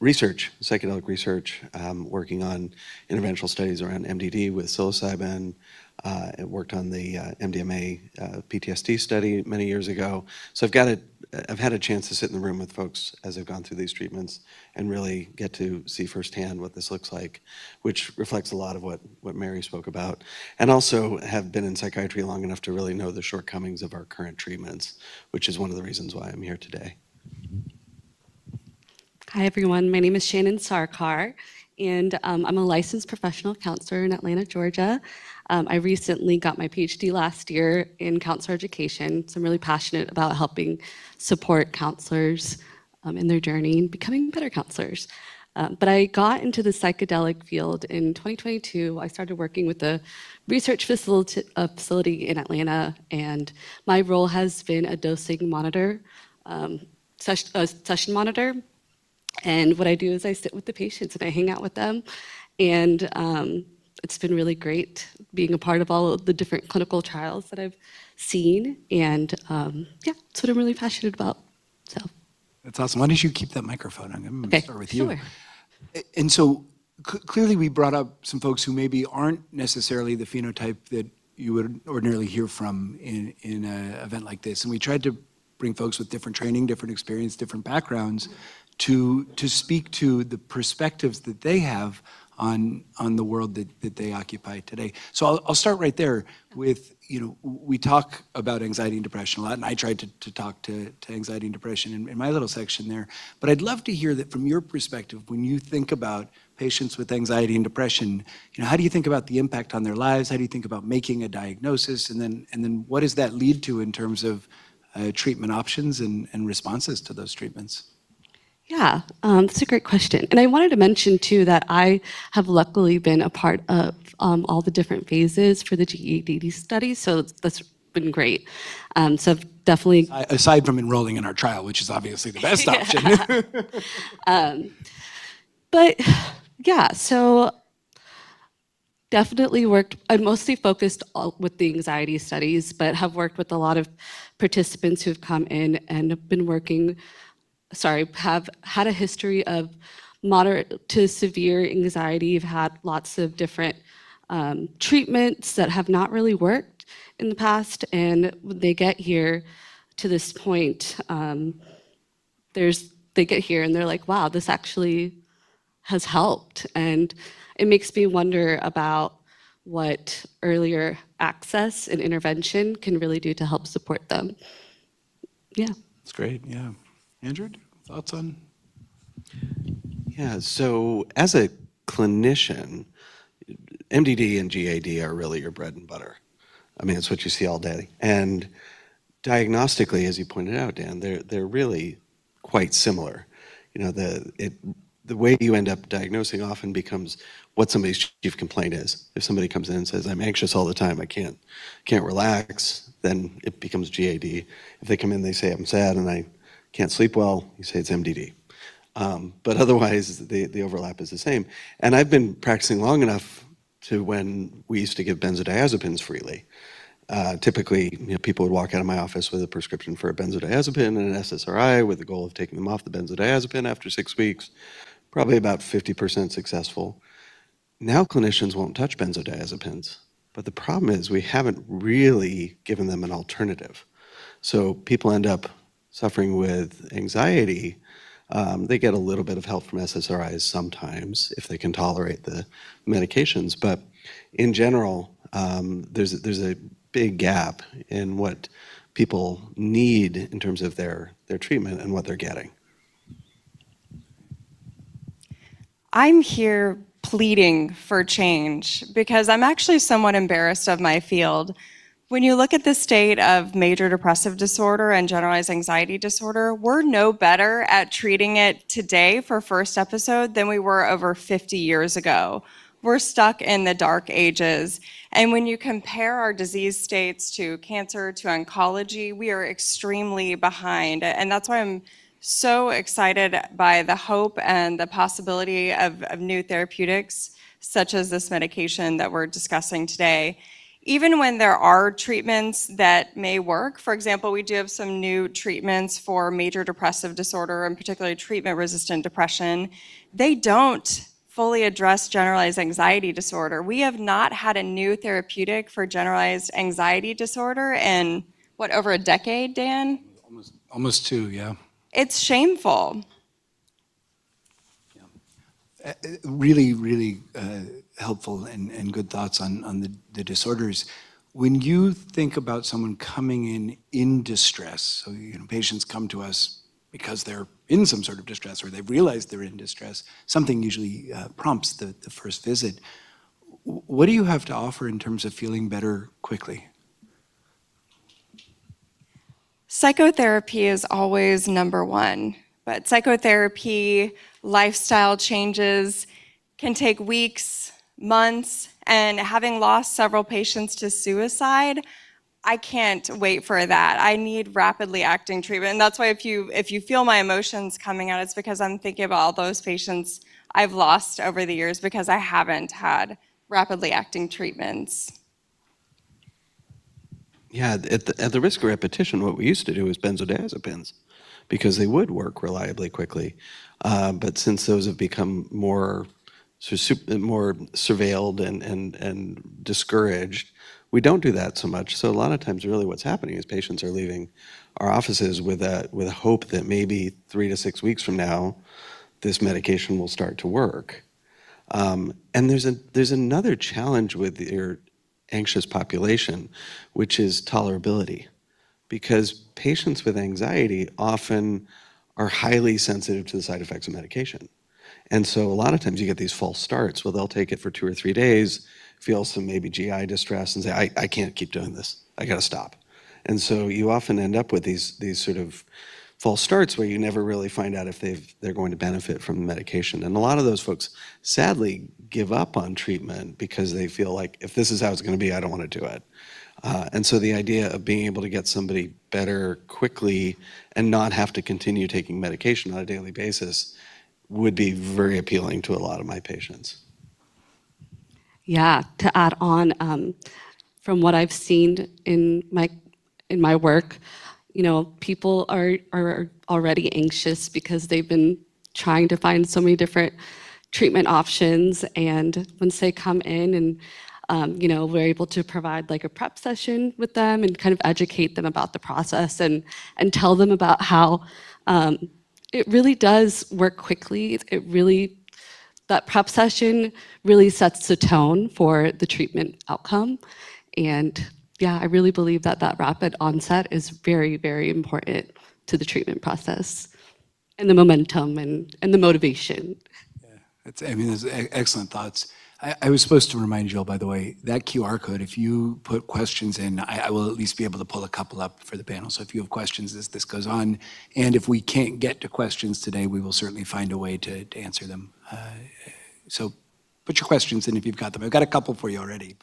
Speaker 5: research, psychedelic research, working on interventional studies around MDD with psilocybin. I worked on the MDMA PTSD study many years ago. I've had a chance to sit in the room with folks as they've gone through these treatments and really get to see firsthand what this looks like, which reflects a lot of what Mary spoke about. I also have been in psychiatry long enough to really know the shortcomings of our current treatments, which is one of the reasons why I'm here today.
Speaker 6: Hi, everyone. My name is Shannon Sarkar, and I'm a Licensed Professional Counselor in Atlanta, Georgia. I recently got my PhD last year in counselor education, so I'm really passionate about helping support counselors in their journey in becoming better counselors. I got into the psychedelic field in 2022. I started working with a research facility in Atlanta, and my role has been a dosing monitor, a session monitor. What I do is I sit with the patients, and I hang out with them. It's been really great being a part of all of the different clinical trials that I've seen. Yeah, that's what I'm really passionate about.
Speaker 2: That's awesome. Why don't you keep that microphone on?
Speaker 6: Okay.
Speaker 2: I'm going to start with you.
Speaker 6: Sure.
Speaker 2: Clearly, we brought up some folks who maybe aren't necessarily the phenotype that you would ordinarily hear from in an event like this. We tried to bring folks with different training, different experience, different backgrounds to speak to the perspectives that they have on the world that they occupy today. I'll start right there with, we talk about anxiety and depression a lot, and I tried to talk to anxiety and depression in my little section there. I'd love to hear that from your perspective, when you think about patients with anxiety and depression, how do you think about the impact on their lives? How do you think about making a diagnosis? And then what does that lead to in terms of treatment options and responses to those treatments?
Speaker 6: Yeah. That's a great question. I wanted to mention too, that I have luckily been a part of all the different phases for the GAD study, so that's been great. Definitely—
Speaker 2: Aside from enrolling in our trial, which is obviously the best option.
Speaker 6: Yeah. I've mostly focused with the anxiety studies, but have worked with a lot of participants who've come in and sorry, have had a history of moderate to severe anxiety, have had lots of different treatments that have not really worked in the past. They get here to this point, and they're like, "Wow, this actually has helped." It makes me wonder about what earlier access and intervention can really do to help support them. Yeah.
Speaker 2: That's great. Yeah. Andrew, thoughts on.
Speaker 5: Yeah. As a clinician, MDD and GAD are really your bread and butter. It's what you see all day. Diagnostically, as you pointed out, Dan, they're really quite similar. The way you end up diagnosing often becomes what somebody's chief complaint is. If somebody comes in and says, "I'm anxious all the time, I can't relax," then it becomes GAD. If they come in, they say, "I'm sad, and I can't sleep well," you say it's MDD. Otherwise, the overlap is the same. I've been practicing long enough to when we used to give benzodiazepines freely. Typically, people would walk out of my office with a prescription for a benzodiazepine and an SSRI with the goal of taking them off the benzodiazepine after six weeks, probably about 50% successful. Now, clinicians won't touch benzodiazepines, but the problem is we haven't really given them an alternative. People end up suffering with anxiety. They get a little bit of help from SSRIs sometimes if they can tolerate the medications. In general, there's a big gap in what people need in terms of their treatment and what they're getting.
Speaker 4: I'm here pleading for change because I'm actually somewhat embarrassed of my field. When you look at the state of major depressive disorder and generalized anxiety disorder, we're no better at treating it today for first episode than we were over 50 years ago. We're stuck in the dark ages. When you compare our disease states to cancer, to oncology, we are extremely behind. That's why I'm so excited by the hope and the possibility of new therapeutics, such as this medication that we're discussing today. Even when there are treatments that may work, for example, we do have some new treatments for major depressive disorder and particularly treatment-resistant depression, they don't fully address generalized anxiety disorder. We have not had a new therapeutic for generalized anxiety disorder in, what, over a decade, Dan?
Speaker 2: Almost two, yeah.
Speaker 4: It's shameful.
Speaker 2: Yeah. Really helpful and good thoughts on the disorders. When you think about someone coming in in distress, patients come to us because they're in some sort of distress, or they've realized they're in distress. Something usually prompts the first visit. What do you have to offer in terms of feeling better quickly?
Speaker 4: Psychotherapy is always number one. Psychotherapy, lifestyle changes can take weeks, months. Having lost several patients to suicide, I can't wait for that. I need rapidly acting treatment. That's why if you feel my emotions coming out, it's because I'm thinking of all those patients I've lost over the years because I haven't had rapidly acting treatments.
Speaker 5: Yeah. At the risk of repetition, what we used to do is benzodiazepines because they would work reliably quickly. Since those have become more surveilled and discouraged, we don't do that so much. A lot of times, really what's happening is patients are leaving our offices with a hope that maybe 3-6 weeks from now, this medication will start to work. There's another challenge with your anxious population, which is tolerability. Because patients with anxiety often are highly sensitive to the side effects of medication. A lot of times, you get these false starts, where they'll take it for two or three days, feel some maybe GI distress and say, "I can't keep doing this. I got to stop." You often end up with these false starts, where you never really find out if they're going to benefit from the medication. A lot of those folks, sadly, give up on treatment because they feel like, "If this is how it's going to be, I don't want to do it." The idea of being able to get somebody better quickly and not have to continue taking medication on a daily basis would be very appealing to a lot of my patients.
Speaker 6: Yeah, to add on. From what I've seen in my work, people are already anxious because they've been trying to find so many different treatment options. Once they come in, and we're able to provide a prep session with them and educate them about the process and tell them about how it really does work quickly. That prep session really sets the tone for the treatment outcome. Yeah, I really believe that rapid onset is very important to the treatment process and the momentum and the motivation.
Speaker 2: Yeah. Those are excellent thoughts. I was supposed to remind you all, by the way, that QR code, if you put questions in, I will at least be able to pull a couple up for the panel. If you have questions as this goes on, and if we can't get to questions today, we will certainly find a way to answer them. Put your questions in if you've got them. I've got a couple for you already.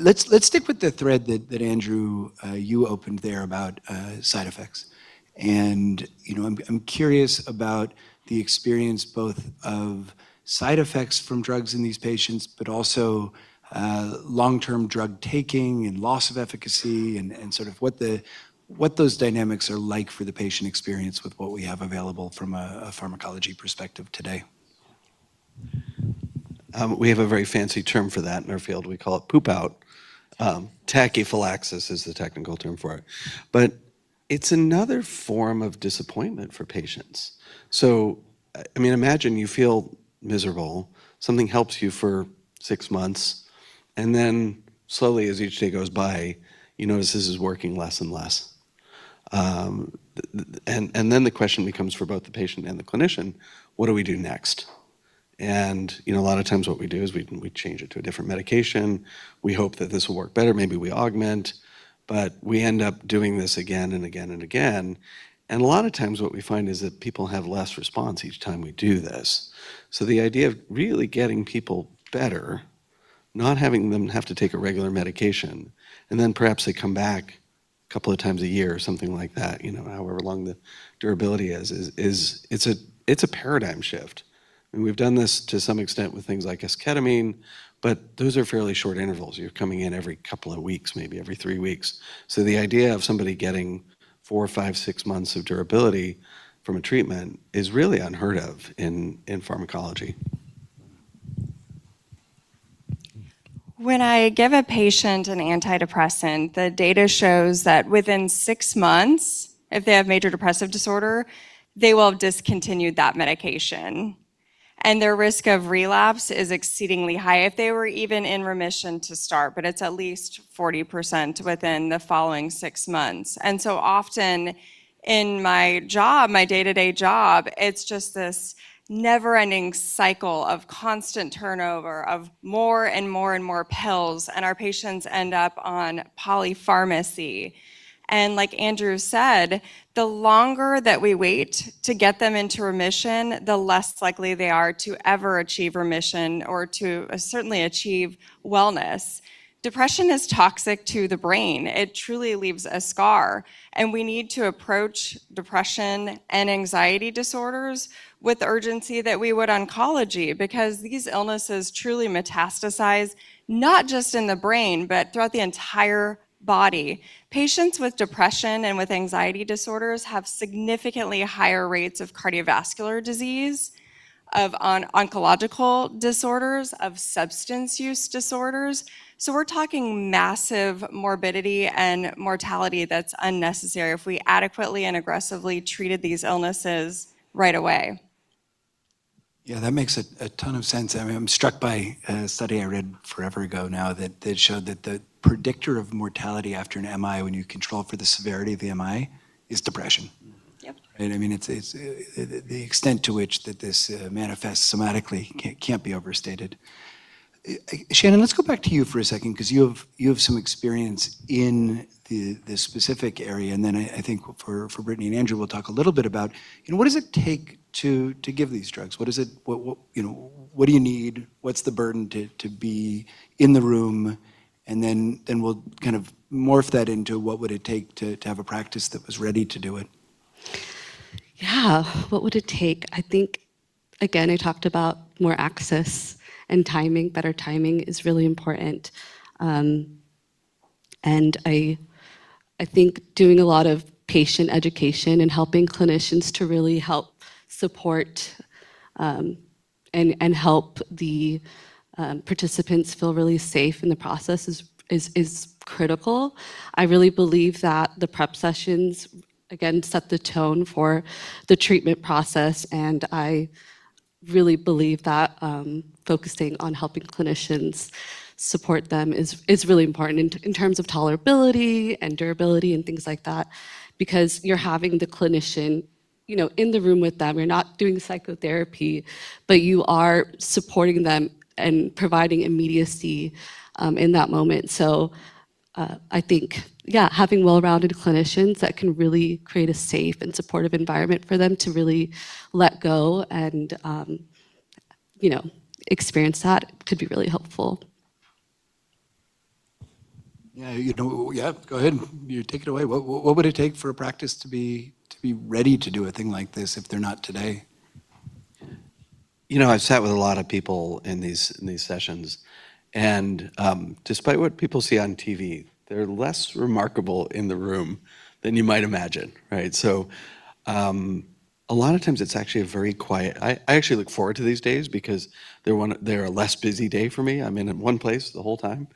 Speaker 2: Let's stick with the thread that, Andrew, you opened there about side effects. I'm curious about the experience both of side effects from drugs in these patients, but also long-term drug taking and loss of efficacy and sort of what those dynamics are like for the patient experience with what we have available from a pharmacology perspective today.
Speaker 5: We have a very fancy term for that in our field. We call it poop out. Tachyphylaxis is the technical term for it. It's another form of disappointment for patients. Imagine you feel miserable. Something helps you for six months, and then slowly, as each day goes by, you notice this is working less and less. Then the question becomes for both the patient and the clinician: what do we do next? A lot of times what we do is we change it to a different medication. We hope that this will work better, maybe we augment but we end up doing this again and again and again. A lot of times what we find is that people have less response each time we do this. The idea of really getting people better, not having them have to take a regular medication, and then perhaps they come back a couple of times a year or something like that, however long the durability is. It's a paradigm shift. We've done this to some extent with things like esketamine, but those are fairly short intervals. You're coming in every couple of weeks, maybe every three weeks. The idea of somebody getting four or five, six months of durability from a treatment is really unheard of in pharmacology.
Speaker 4: When I give a patient an antidepressant, the data shows that within six months, if they have major depressive disorder, they will have discontinued that medication. Their risk of relapse is exceedingly high if they were even in remission to start, but it's at least 40% within the following six months. Often in my job, my day-to-day job, it's just this never-ending cycle of constant turnover of more and more and more pills, and our patients end up on polypharmacy. Like Andrew said, the longer that we wait to get them into remission, the less likely they are to ever achieve remission or to certainly achieve wellness. Depression is toxic to the brain. It truly leaves a scar, and we need to approach depression and anxiety disorders with the urgency that we would oncology, because these illnesses truly metastasize, not just in the brain, but throughout the entire body. Patients with depression and with anxiety disorders have significantly higher rates of cardiovascular disease, of oncological disorders, of substance use disorders. We're talking massive morbidity and mortality that's unnecessary if we adequately and aggressively treated these illnesses right away.
Speaker 2: Yeah, that makes a ton of sense. I'm struck by a study I read forever ago now that showed that the predictor of mortality after an MI, when you control for the severity of the MI, is depression.
Speaker 4: Yep.
Speaker 2: I mean, the extent to which that this manifests somatically can't be overstated. Shannon, let's go back to you for a second because you have some experience in this specific area, and then I think for Brittany and Andrew, we'll talk a little bit about what does it take to give these drugs? What do you need? What's the burden to be in the room? Then we'll kind of morph that into what would it take to have a practice that was ready to do it?
Speaker 6: Yeah. What would it take? I think, again, I talked about more access and timing. Better timing is really important. I think doing a lot of patient education and helping clinicians to really help support, and help the participants feel really safe in the process is critical. I really believe that the prep sessions, again, set the tone for the treatment process, and I really believe that focusing on helping clinicians support them is really important in terms of tolerability and durability and things like that, because you're having the clinician in the room with them. You're not doing psychotherapy, but you are supporting them and providing immediacy in that moment. I think, yeah, having well-rounded clinicians that can really create a safe and supportive environment for them to really let go and experience that could be really helpful.
Speaker 2: Yeah. Go ahead. You take it away. What would it take for a practice to be ready to do a thing like this if they're not today?
Speaker 5: I've sat with a lot of people in these sessions. Despite what people see on TV, they're less remarkable in the room than you might imagine, right? A lot of times it's actually very quiet. I actually look forward to these days because they're a less busy day for me. I'm in one place the whole time.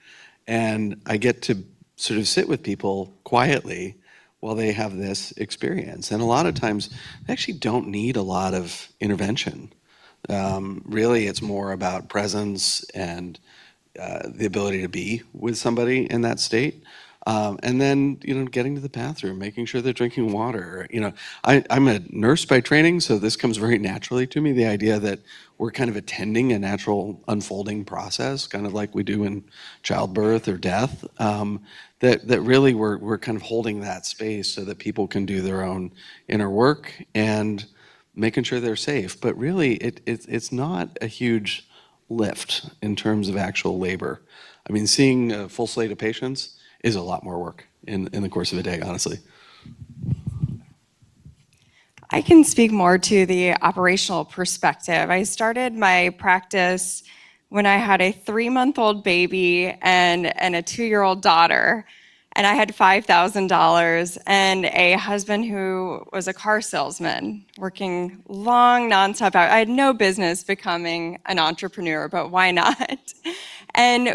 Speaker 5: I get to sort of sit with people quietly while they have this experience. A lot of times, I actually don't need a lot of intervention. Really, it's more about presence and the ability to be with somebody in that state. Getting to the bathroom, making sure they're drinking water. I'm a nurse by training, so this comes very naturally to me. The idea that we're kind of attending a natural unfolding process, kind of like we do in childbirth or death, that really we're kind of holding that space so that people can do their own inner work and making sure they're safe. Really, it's not a huge lift in terms of actual labor. Seeing a full slate of patients is a lot more work in the course of a day, honestly.
Speaker 4: I can speak more to the operational perspective. I started my practice when I had a three month-old baby and a two year-old daughter, and I had $5,000 and a husband who was a car salesman working long, non-stop hours. I had no business becoming an entrepreneur, but why not?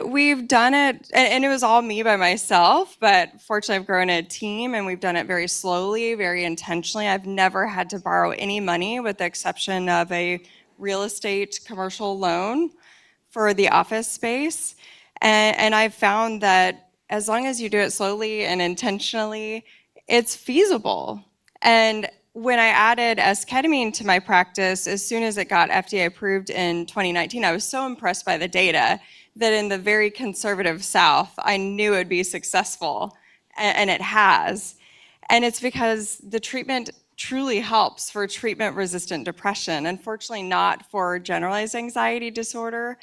Speaker 4: We've done it, and it was all me by myself. Fortunately, I've grown a team, and we've done it very slowly, very intentionally. I've never had to borrow any money, with the exception of a real estate commercial loan for the office space. I've found that as long as you do it slowly and intentionally, it's feasible. When I added esketamine to my practice, as soon as it got FDA approved in 2019, I was so impressed by the data, that in the very conservative South, I knew it would be successful. It has. It's because the treatment truly helps for treatment-resistant depression. Unfortunately, not for generalized anxiety disorder.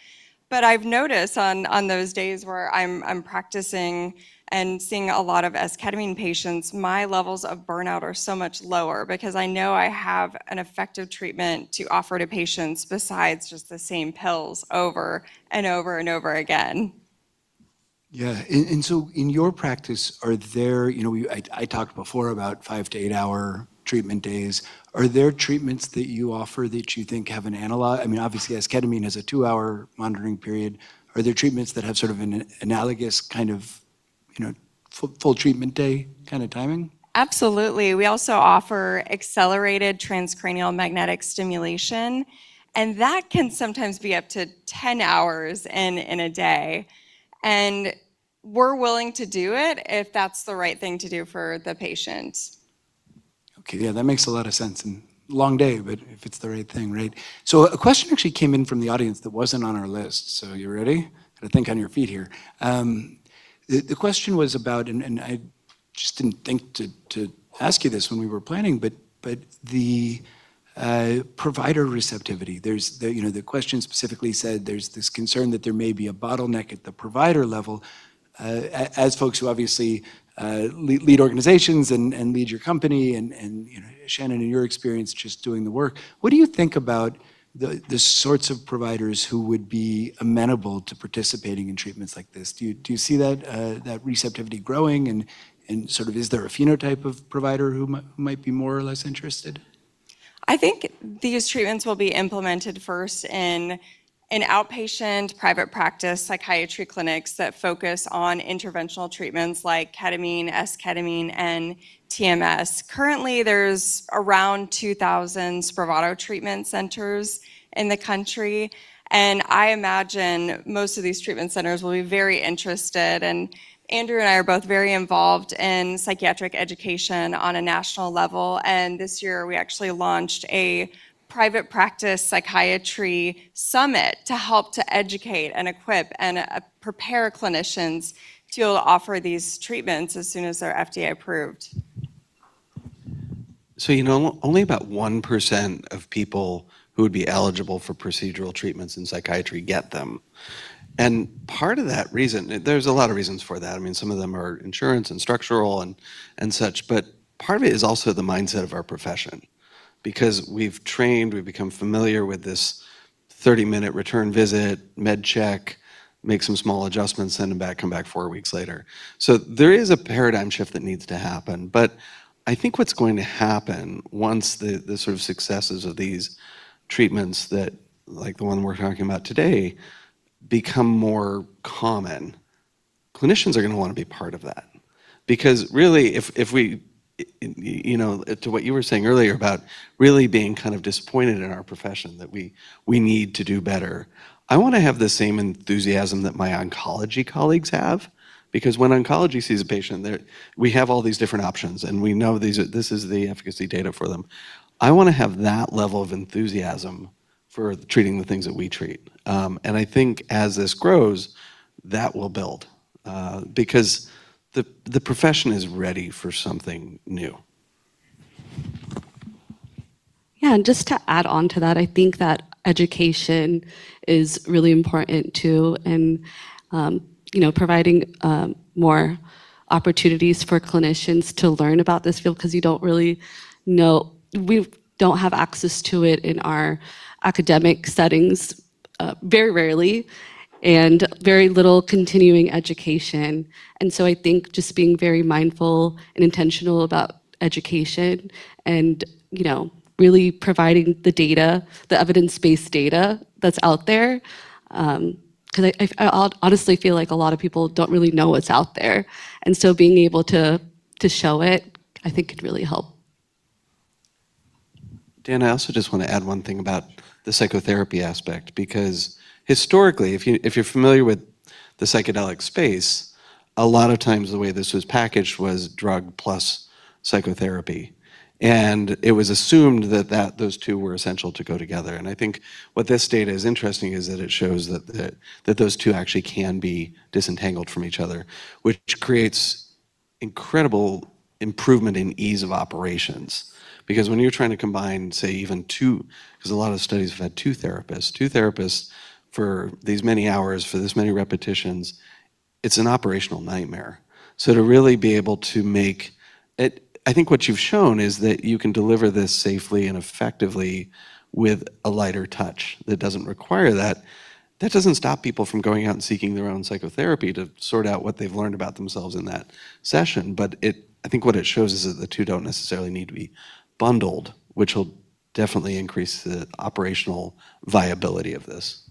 Speaker 4: I've noticed on those days where I'm practicing and seeing a lot of esketamine patients, my levels of burnout are so much lower because I know I have an effective treatment to offer to patients besides just the same pills over and over and over again.
Speaker 2: Yeah. In your practice, I talked before about five to eight hour treatment days. Are there treatments that you offer that you think have an analog, obviously, esketamine has a two hour monitoring period. Are there treatments that have sort of an analogous kind of full treatment day kind of timing?
Speaker 4: Absolutely. We also offer accelerated transcranial magnetic stimulation, and that can sometimes be up to 10 hours in a day. We're willing to do it if that's the right thing to do for the patient.
Speaker 2: Okay. Yeah, that makes a lot of sense. Long day, but if it's the right thing, right? A question actually came in from the audience that wasn't on our list. You ready? Got to think on your feet here. The question was about, and I just didn't think to ask you this when we were planning, but the provider receptivity. The question specifically said there's this concern that there may be a bottleneck at the provider level. As folks who obviously lead organizations and lead your company and, Shannon, in your experience just doing the work, what do you think about the sorts of providers who would be amenable to participating in treatments like this? Do you see that receptivity growing? Sort of is there a phenotype of provider who might be more or less interested?
Speaker 4: I think these treatments will be implemented first in outpatient private practice psychiatry clinics that focus on interventional treatments like ketamine, esketamine, and TMS. Currently, there's around 2,000 Spravato treatment centers in the country, and I imagine most of these treatment centers will be very interested. Andrew and I are both very involved in psychiatric education on a national level, and this year we actually launched a private practice psychiatry summit to help to educate and equip and prepare clinicians to offer these treatments as soon as they're FDA approved.
Speaker 5: Only about 1% of people who would be eligible for procedural treatments in psychiatry get them. Part of that reason, there's a lot of reasons for that. Some of them are insurance and structural and such, but part of it is also the mindset of our profession. Because we've trained, we've become familiar with this 30-minute return visit, med check, make some small adjustments, send them back, come back four weeks later. There is a paradigm shift that needs to happen. I think what's going to happen once the sort of successes of these treatments, like the one we're talking about today, become more common, clinicians are going to want to be part of that. Because really, to what you were saying earlier about really being kind of disappointed in our profession, that we need to do better. I want to have the same enthusiasm that my oncology colleagues have, because when oncology sees a patient, we have all these different options, and we know this is the efficacy data for them. I want to have that level of enthusiasm for treating the things that we treat. I think as this grows, that will build. Because the profession is ready for something new.
Speaker 6: Yeah, just to add on to that, I think that education is really important too, and providing more opportunities for clinicians to learn about this field, because we don't have access to it in our academic settings, very rarely, and very little continuing education. I think just being very mindful and intentional about education and really providing the data, the evidence-based data that's out there. Because I honestly feel like a lot of people don't really know what's out there. Being able to show it, I think could really help.
Speaker 5: Dan, I also just want to add one thing about the psychotherapy aspect. Historically, if you're familiar with the psychedelic space, a lot of times the way this was packaged was drug plus psychotherapy. It was assumed that those two were essential to go together. I think what this data is interesting is that it shows that those two actually can be disentangled from each other, which creates incredible improvement in ease of operations. When you're trying to combine, say even two, a lot of studies have had two therapists for these many hours, for this many repetitions, it's an operational nightmare. I think what you've shown is that you can deliver this safely and effectively with a lighter touch that doesn't require that. That doesn't stop people from going out and seeking their own psychotherapy to sort out what they've learned about themselves in that session. I think what it shows is that the two don't necessarily need to be bundled, which will definitely increase the operational viability of this.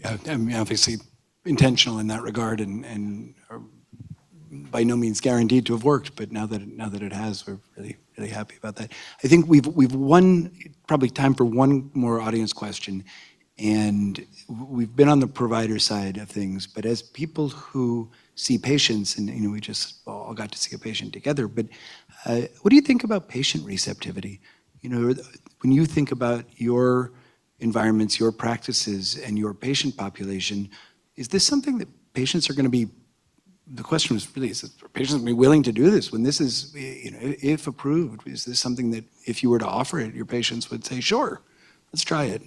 Speaker 2: Yeah. Obviously intentional in that regard, and, by no means guaranteed to have worked, but now that it has, we're really, really happy about that. I think we have one, probably time for one more audience question, and we've been on the provider side of things, but as people who see patients, and we just all got to see a patient together, but what do you think about patient receptivity? When you think about your environments, your practices, and your patient population, is this something that patients are going to be? The question was really, are patients going to be willing to do this when this is, if approved, is this something that if you were to offer it, your patients would say, "Sure, let's try it.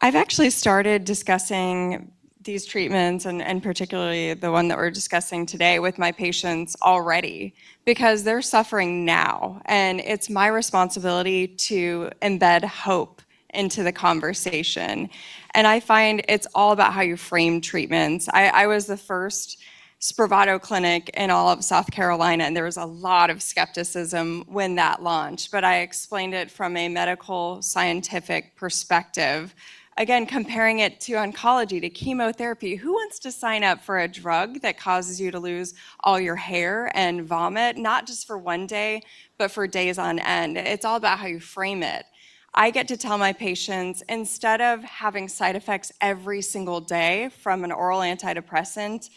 Speaker 4: I've actually started discussing these treatments and particularly the one that we're discussing today with my patients already because they're suffering now, and it's my responsibility to embed hope into the conversation. I find it's all about how you frame treatments. I was the first Spravato clinic in all of South Carolina, and there was a lot of skepticism when that launched, but I explained it from a medical, scientific perspective, again, comparing it to oncology, to chemotherapy. Who wants to sign up for a drug that causes you to lose all your hair and vomit, not just for one day, but for days on end? It's all about how you frame it. I get to tell my patients, instead of having side effects every single day from an oral antidepressant,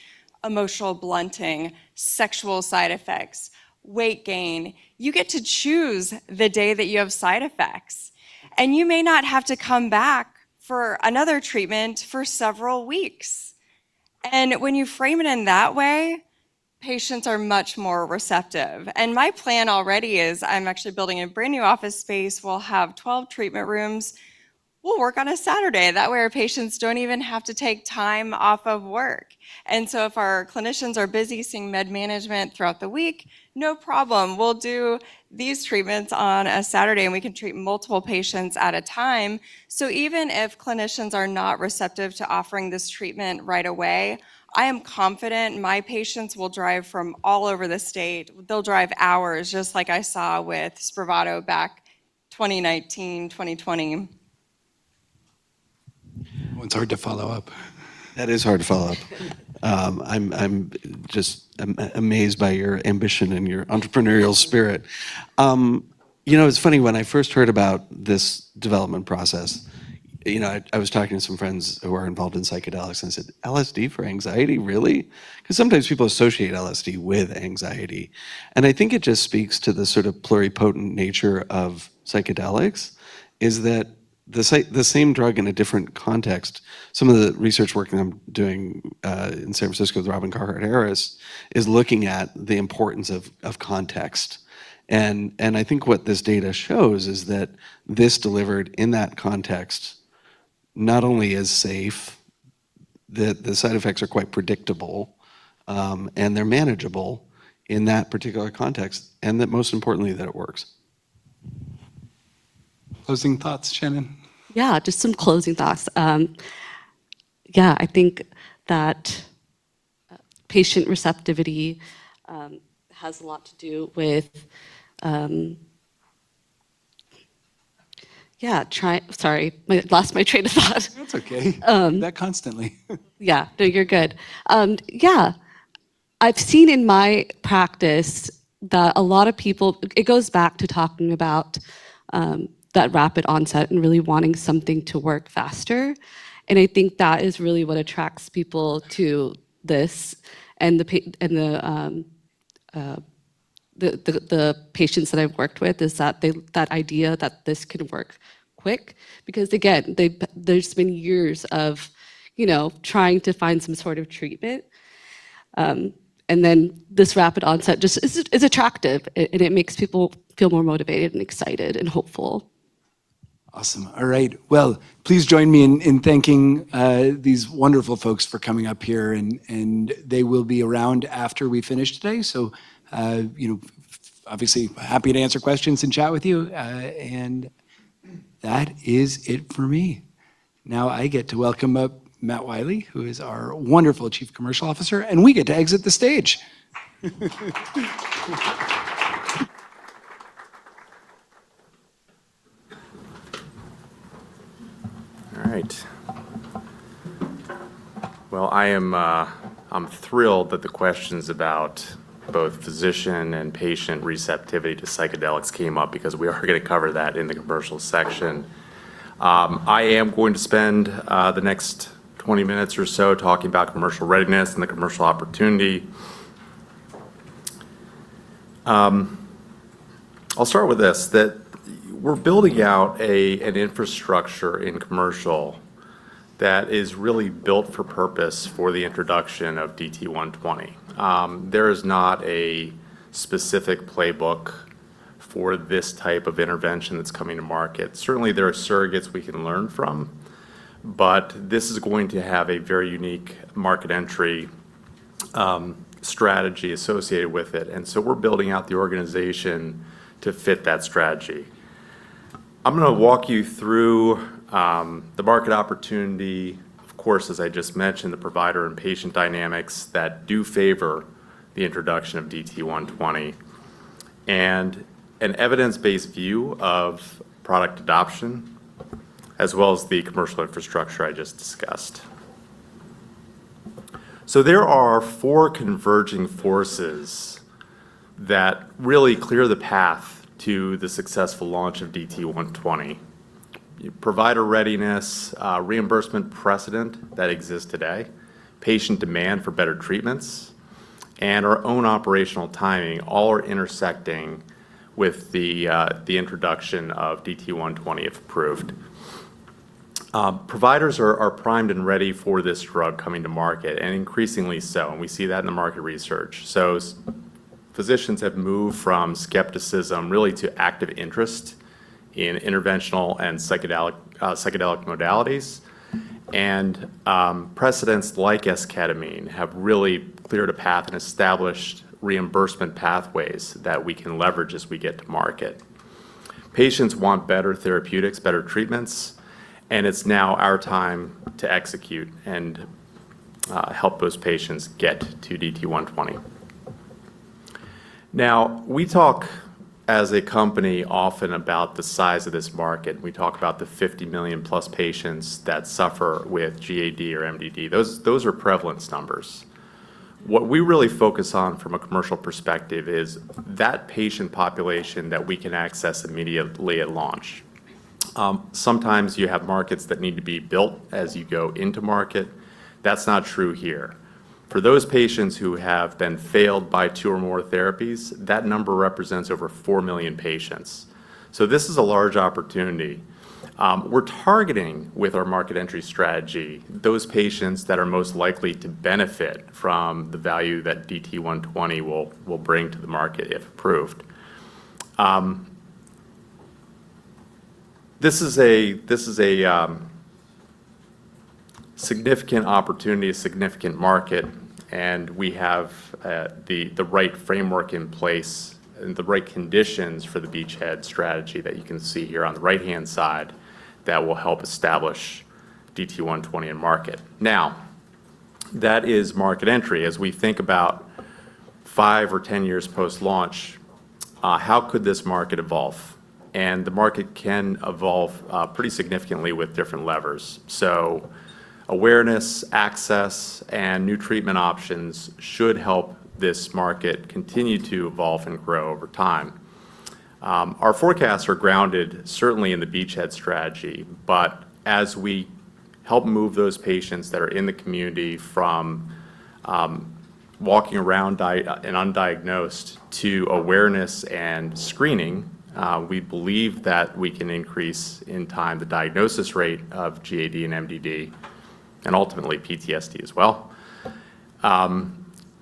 Speaker 4: emotional blunting, sexual side effects, weight gain, you get to choose the day that you have side effects. You may not have to come back for another treatment for several weeks. When you frame it in that way, patients are much more receptive. My plan already is I'm actually building a brand-new office space. We'll have 12 treatment rooms. We'll work on a Saturday. That way, our patients don't even have to take time off of work. If our clinicians are busy seeing med management throughout the week, no problem. We'll do these treatments on a Saturday, and we can treat multiple patients at a time. Even if clinicians are not receptive to offering this treatment right away, I am confident my patients will drive from all over the state. They'll drive hours, just like I saw with Spravato back 2019, 2020.
Speaker 2: Oh, it's hard to follow up.
Speaker 5: That is hard to follow up. I'm just amazed by your ambition and your entrepreneurial spirit. It's funny, when I first heard about this development process, I was talking to some friends who are involved in psychedelics, and I said, "LSD for anxiety, really?" Because sometimes people associate LSD with anxiety. I think it just speaks to the sort of pluripotent nature of psychedelics is that the same drug in a different context. Some of the research work that I'm doing in San Francisco with Robin Carhart-Harris is looking at the importance of context. I think what this data shows is that this delivered in that context not only is safe, that the side effects are quite predictable, and they're manageable in that particular context, and that most importantly, that it works.
Speaker 2: Closing thoughts, Shannon?
Speaker 6: Yeah, just some closing thoughts. Yeah, I think that patient receptivity has a lot to do with. Sorry. Lost my train of thought.
Speaker 2: That's okay. I do that constantly.
Speaker 6: Yeah. No, you're good. Yeah. I've seen in my practice that a lot of people. It goes back to talking about that rapid onset and really wanting something to work faster, and I think that is really what attracts people to this, and the patients that I've worked with, is that idea that this can work quick. Because again, there's been years of trying to find some sort of treatment, and then this rapid onset just is attractive, and it makes people feel more motivated and excited and hopeful.
Speaker 2: Awesome. All right. Well, please join me in thanking these wonderful folks for coming up here, and they will be around after we finish today, so obviously happy to answer questions and chat with you. That is it for me. Now I get to welcome up Matt Wiley, who is our wonderful Chief Commercial Officer, and we get to exit the stage.
Speaker 7: All right. Well, I'm thrilled that the questions about both physician and patient receptivity to psychedelics came up because we are going to cover that in the commercial section. I am going to spend the next 20 minutes or so talking about commercial readiness and the commercial opportunity. I'll start with this, that we're building out an infrastructure in commercial that is really built for purpose for the introduction of DT120. There is not a specific playbook for this type of intervention that's coming to market. Certainly, there are surrogates we can learn from, but this is going to have a very unique market entry strategy associated with it. We're building out the organization to fit that strategy. I'm going to walk you through the market opportunity. Of course, as I just mentioned, the provider and patient dynamics that do favor the introduction of DT120. An evidence-based view of product adoption as well as the commercial infrastructure I just discussed. There are four converging forces that really clear the path to the successful launch of DT120. Provider readiness, reimbursement precedent that exists today, patient demand for better treatments, and our own operational timing all are intersecting with the introduction of DT120, if approved. Providers are primed and ready for this drug coming to market, and increasingly so, and we see that in the market research. Physicians have moved from skepticism really to active interest in interventional and psychedelic modalities. Precedents like esketamine have really cleared a path and established reimbursement pathways that we can leverage as we get to market. Patients want better therapeutics, better treatments, and it's now our time to execute and help those patients get to DT120. Now, we talk as a company often about the size of this market. We talk about the 50 million-plus patients that suffer with GAD or MDD. Those are prevalence numbers. What we really focus on from a commercial perspective is that patient population that we can access immediately at launch. Sometimes you have markets that need to be built as you go into market. That's not true here. For those patients who have been failed by two or more therapies, that number represents over 4 million patients. This is a large opportunity. We're targeting with our market entry strategy, those patients that are most likely to benefit from the value that DT120 will bring to the market if approved. This is a significant opportunity, a significant market, and we have the right framework in place and the right conditions for the beachhead strategy that you can see here on the right-hand side that will help establish DT120 in market. Now, that is market entry. As we think about five or 10 years post-launch, how could this market evolve? The market can evolve pretty significantly with different levers. Awareness, access, and new treatment options should help this market continue to evolve and grow over time. Our forecasts are grounded, certainly in the beachhead strategy, but as we help move those patients that are in the community from walking around and undiagnosed to awareness and screening, we believe that we can increase in time the diagnosis rate of GAD and MDD, and ultimately PTSD as well.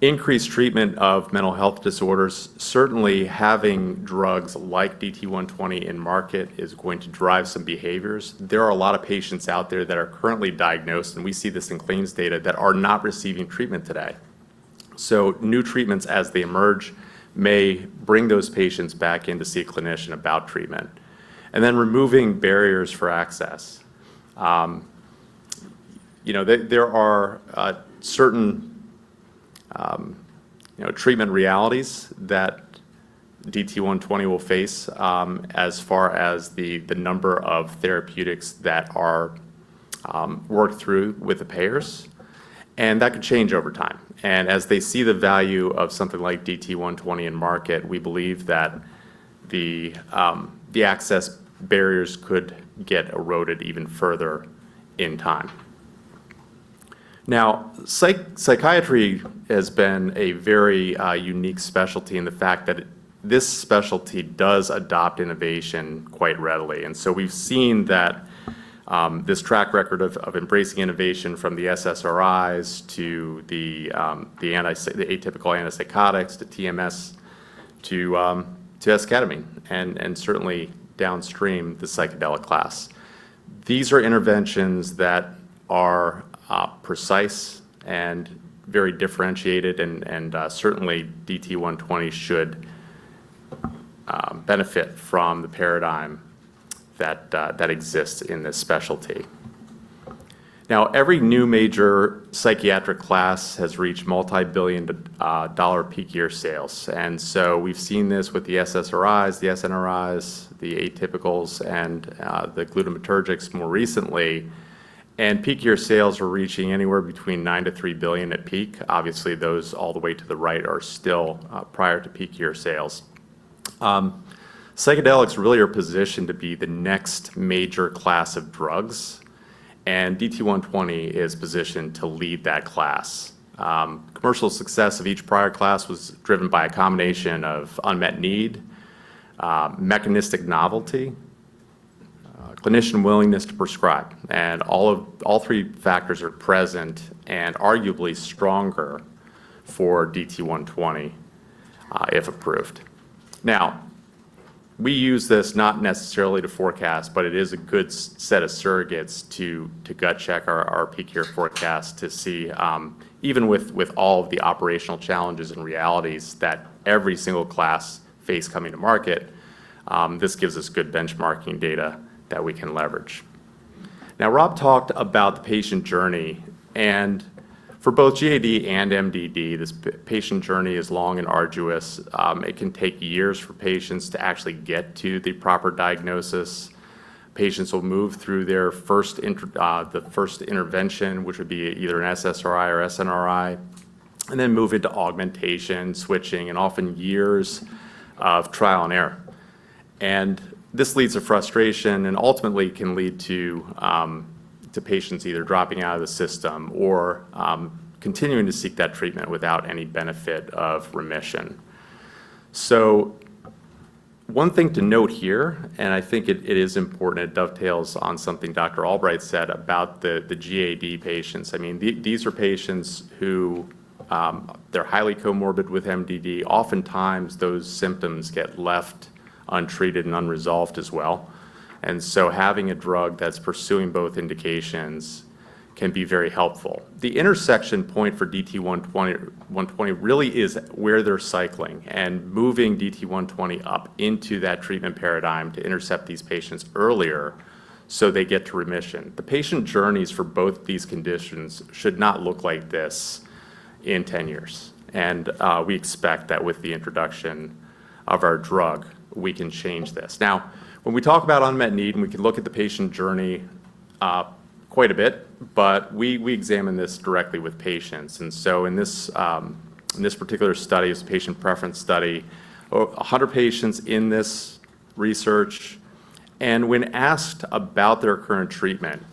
Speaker 7: Increased treatment of mental health disorders, certainly having drugs like DT120 in market is going to drive some behaviors. There are a lot of patients out there that are currently diagnosed, and we see this in claims data, that are not receiving treatment today. New treatments as they emerge may bring those patients back in to see a clinician about treatment, and then removing barriers for access. There are certain treatment realities that DT120 will face as far as the number of therapeutics that are worked through with the payers, and that could change over time. As they see the value of something like DT120 in market, we believe that the access barriers could get eroded even further in time. Now, psychiatry has been a very unique specialty in the fact that this specialty does adopt innovation quite readily. We've seen that this track record of embracing innovation from the SSRIs, to the atypical antipsychotics, to TMS, to esketamine, and certainly downstream, the psychedelic class. These are interventions that are precise and very differentiated, and certainly DT120 should benefit from the paradigm that exists in this specialty. Now, every new major psychiatric class has reached multi-billion-dollar peak year sales. We've seen this with the SSRIs, the SNRIs, the atypicals, and the glutamatergics more recently. Peak year sales were reaching anywhere between $9 billion-$13 billion at peak. Obviously, those all the way to the right are still prior to peak year sales. Psychedelics really are positioned to be the next major class of drugs, and DT120 is positioned to lead that class. Commercial success of each prior class was driven by a combination of unmet need, mechanistic novelty, clinician willingness to prescribe, and all three factors are present and arguably stronger for DT120, if approved. Now, we use this not necessarily to forecast, but it is a good set of surrogates to gut check our peak year forecast to see, even with all of the operational challenges and realities that every single class face coming to market, this gives us good benchmarking data that we can leverage. Now, Rob talked about the patient journey and for both GAD and MDD, this patient journey is long and arduous. It can take years for patients to actually get to the proper diagnosis. Patients will move through the first intervention, which would be either an SSRI or SNRI, and then move into augmentation, switching, and often years of trial and error. This leads to frustration and ultimately can lead to patients either dropping out of the system or continuing to seek that treatment without any benefit of remission. One thing to note here, and I think it is important, it dovetails on something Dr. Albright said about the GAD patients. These are patients who, they're highly comorbid with MDD. Oftentimes, those symptoms get left untreated and unresolved as well. Having a drug that's pursuing both indications can be very helpful. The intersection point for DT120 really is where they're cycling and moving DT120 up into that treatment paradigm to intercept these patients earlier so they get to remission. The patient journeys for both these conditions should not look like this in 10 years, and we expect that with the introduction of our drug, we can change this. Now, when we talk about unmet need, and we can look at the patient journey quite a bit, but we examine this directly with patients. In this particular study, it's a patient preference study, 100 patients in this research. When asked about their current treatment,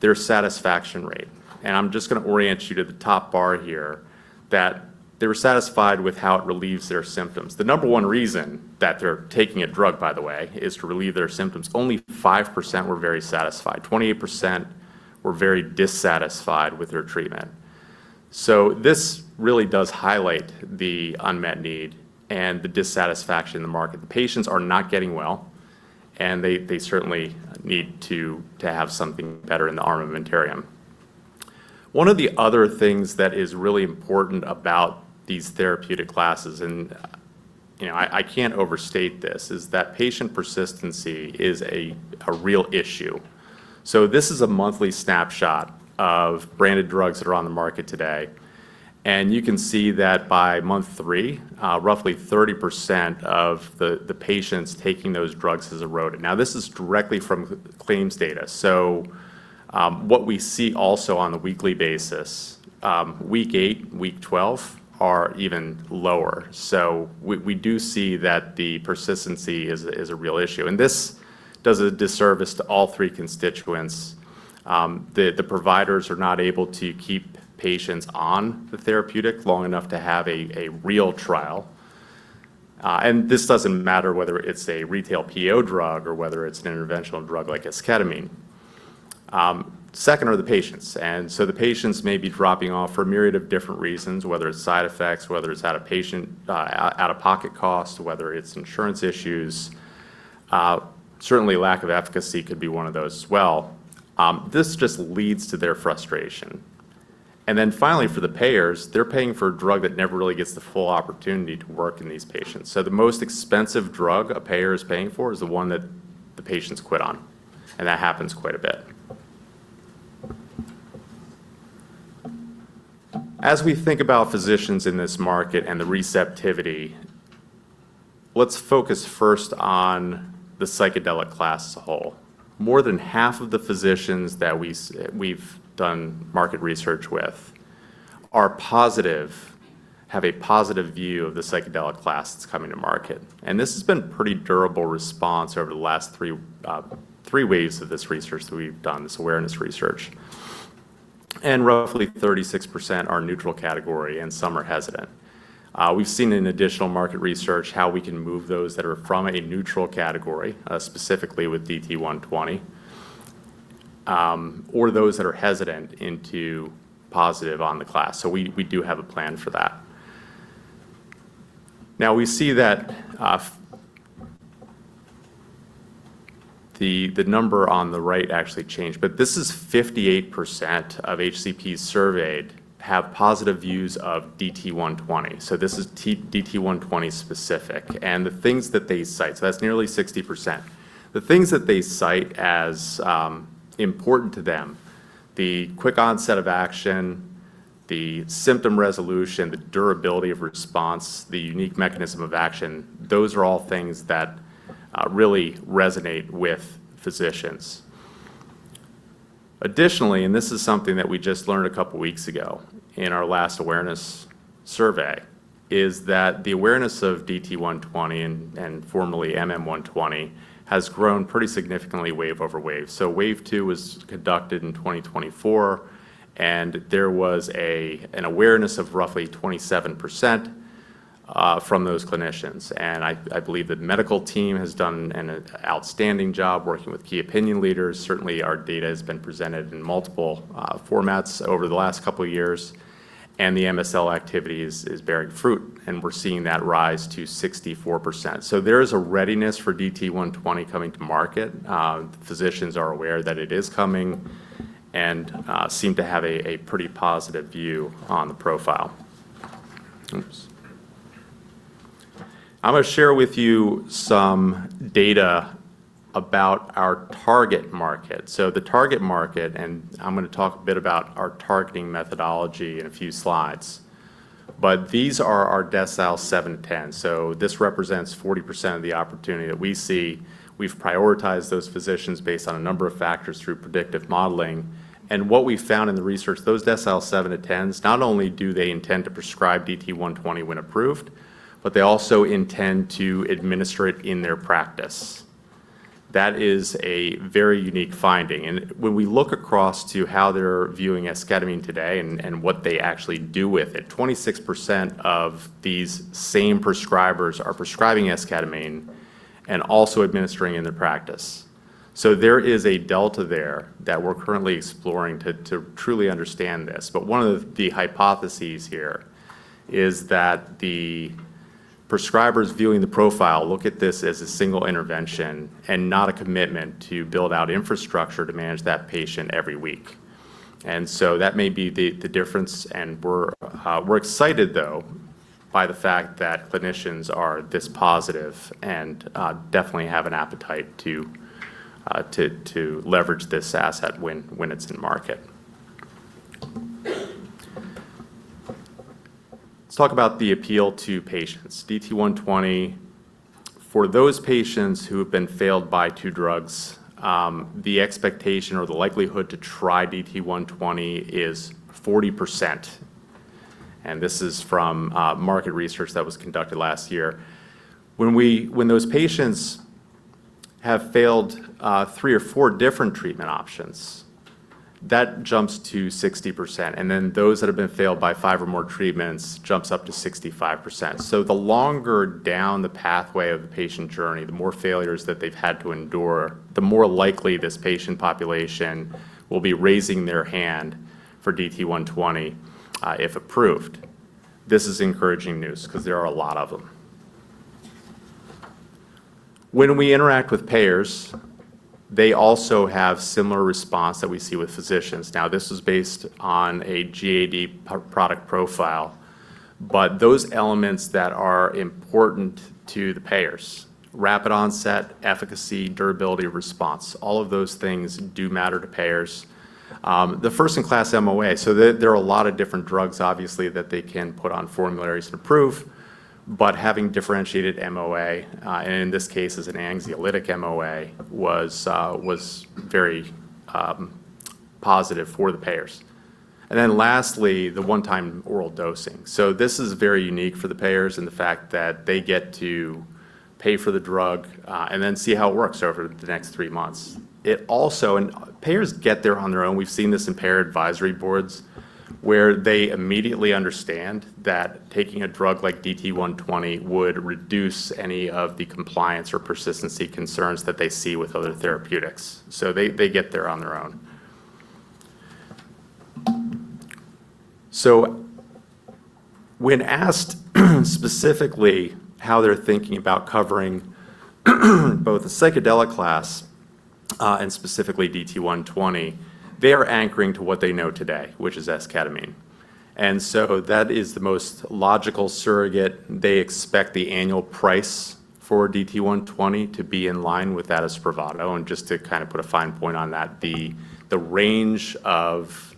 Speaker 7: their satisfaction rate, and I'm just going to orient you to the top bar here, that they were satisfied with how it relieves their symptoms. The number one reason that they're taking a drug, by the way, is to relieve their symptoms. Only 5% were very satisfied. 28% were very dissatisfied with their treatment. This really does highlight the unmet need and the dissatisfaction in the market. The patients are not getting well, and they certainly need to have something better in the armamentarium. One of the other things that is really important about these therapeutic classes, and I can't overstate this, is that patient persistency is a real issue. This is a monthly snapshot of branded drugs that are on the market today. You can see that by month three, roughly 30% of the patients taking those drugs has eroded. Now, this is directly from claims data. What we see also on a weekly basis, week eight, week 12, are even lower. We do see that the persistency is a real issue, and this does a disservice to all three constituents. The providers are not able to keep patients on the therapeutic long enough to have a real trial. This doesn't matter whether it's a retail PO drug or whether it's an interventional drug like esketamine. Second are the patients. The patients may be dropping off for a myriad of different reasons, whether it's side effects, whether it's out-of-pocket cost, whether it's insurance issues. Certainly, lack of efficacy could be one of those as well. This just leads to their frustration. Then finally, for the payers, they're paying for a drug that never really gets the full opportunity to work in these patients. The most expensive drug a payer is paying for is the one that the patients quit on, and that happens quite a bit. As we think about physicians in this market and the receptivity, let's focus first on the psychedelic class as a whole. More than half of the physicians that we've done market research with are positive, have a positive view of the psychedelic class that's coming to market. This has been pretty durable response over the last three waves of this research that we've done, this awareness research. Roughly 36% are neutral category, and some are hesitant. We've seen in additional market research how we can move those that are from a neutral category, specifically with DT120, or those that are hesitant into positive on the class. We do have a plan for that. Now, we see that the number on the right actually changed, but this is 58% of HCPs surveyed have positive views of DT120. This is DT120 specific. The things that they cite, so that's nearly 60% as important to them, the quick onset of action, the symptom resolution, the durability of response, the unique mechanism of action, those are all things that really resonate with physicians. Additionally, this is something that we just learned a couple of weeks ago in our last awareness survey, is that the awareness of DT120 and formerly MM120, has grown pretty significantly wave-over-wave. Wave two was conducted in 2024, and there was an awareness of roughly 27% from those clinicians. I believe the medical team has done an outstanding job working with key opinion leaders. Certainly, our data has been presented in multiple formats over the last couple of years, and the MSL activity is bearing fruit, and we're seeing that rise to 64%. There is a readiness for DT120 coming to market. Physicians are aware that it is coming and seem to have a pretty positive view on the profile. Oops. I'm going to share with you some data about our target market. The target market, and I'm going to talk a bit about our targeting methodology in a few slides, but these are our decile 7-10. This represents 40% of the opportunity that we see. We've prioritized those physicians based on a number of factors through predictive modeling. What we've found in the research, those decile 7-10s, not only do they intend to prescribe DT120 when approved, but they also intend to administer it in their practice. That is a very unique finding. When we look across to how they're viewing esketamine today and what they actually do with it, 26% of these same prescribers are prescribing esketamine and also administering in their practice. There is a delta there that we're currently exploring to truly understand this. One of the hypotheses here is that the prescribers viewing the profile look at this as a single intervention and not a commitment to build out infrastructure to manage that patient every week. That may be the difference, and we're excited though by the fact that clinicians are this positive and definitely have an appetite to leverage this asset when it's in market. Let's talk about the appeal to patients. DT120, for those patients who have been failed by two drugs, the expectation or the likelihood to try DT120 is 40%, and this is from market research that was conducted last year. When those patients have failed three or four different treatment options, that jumps to 60%, and then those that have been failed by five or more treatments jumps up to 65%. The longer down the pathway of the patient journey, the more failures that they've had to endure, the more likely this patient population will be raising their hand for DT120 if approved. This is encouraging news because there are a lot of them. When we interact with payers, they also have a similar response that we see with physicians. Now, this is based on a GAD product profile, but those elements that are important to the payers, rapid onset, efficacy, durability, response, all of those things do matter to payers. The first-in-class MOA, so there are a lot of different drugs, obviously, that they can put on formularies and approve, but having differentiated MOA, and in this case, as an anxiolytic MOA, was very positive for the payers. Then lastly, the one-time oral dosing. This is very unique for the payers and the fact that they get to pay for the drug and then see how it works over the next three months. Payers get there on their own. We've seen this in payer advisory boards where they immediately understand that taking a drug like DT120 would reduce any of the compliance or persistency concerns that they see with other therapeutics. They get there on their own. When asked specifically how they're thinking about covering both the psychedelic class, and specifically DT120, they are anchoring to what they know today, which is esketamine. That is the most logical surrogate. They expect the annual price for DT120 to be in line with that of Spravato. Just to kind of put a fine point on that, the range of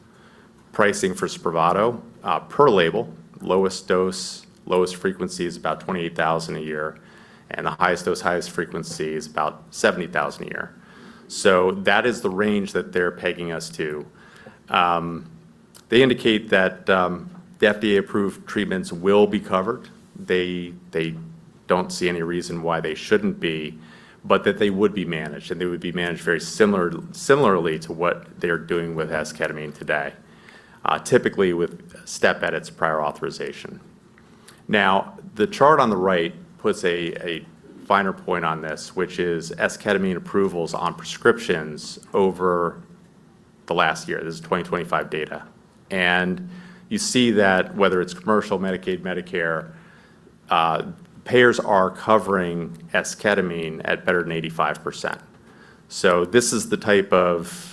Speaker 7: pricing for Spravato, per label, lowest dose, lowest frequency is about $28,000 a year, and the highest dose, highest frequency is about $70,000 a year. That is the range that they're pegging us to. They indicate that the FDA-approved treatments will be covered. They don't see any reason why they shouldn't be, but that they would be managed, and they would be managed very similarly to what they're doing with esketamine today, typically with step edits prior authorization. Now, the chart on the right puts a finer point on this, which is esketamine approvals on prescriptions over the last year. This is 2025 data. You see that whether it's commercial, Medicaid, Medicare, payers are covering esketamine at better than 85%. This is the type of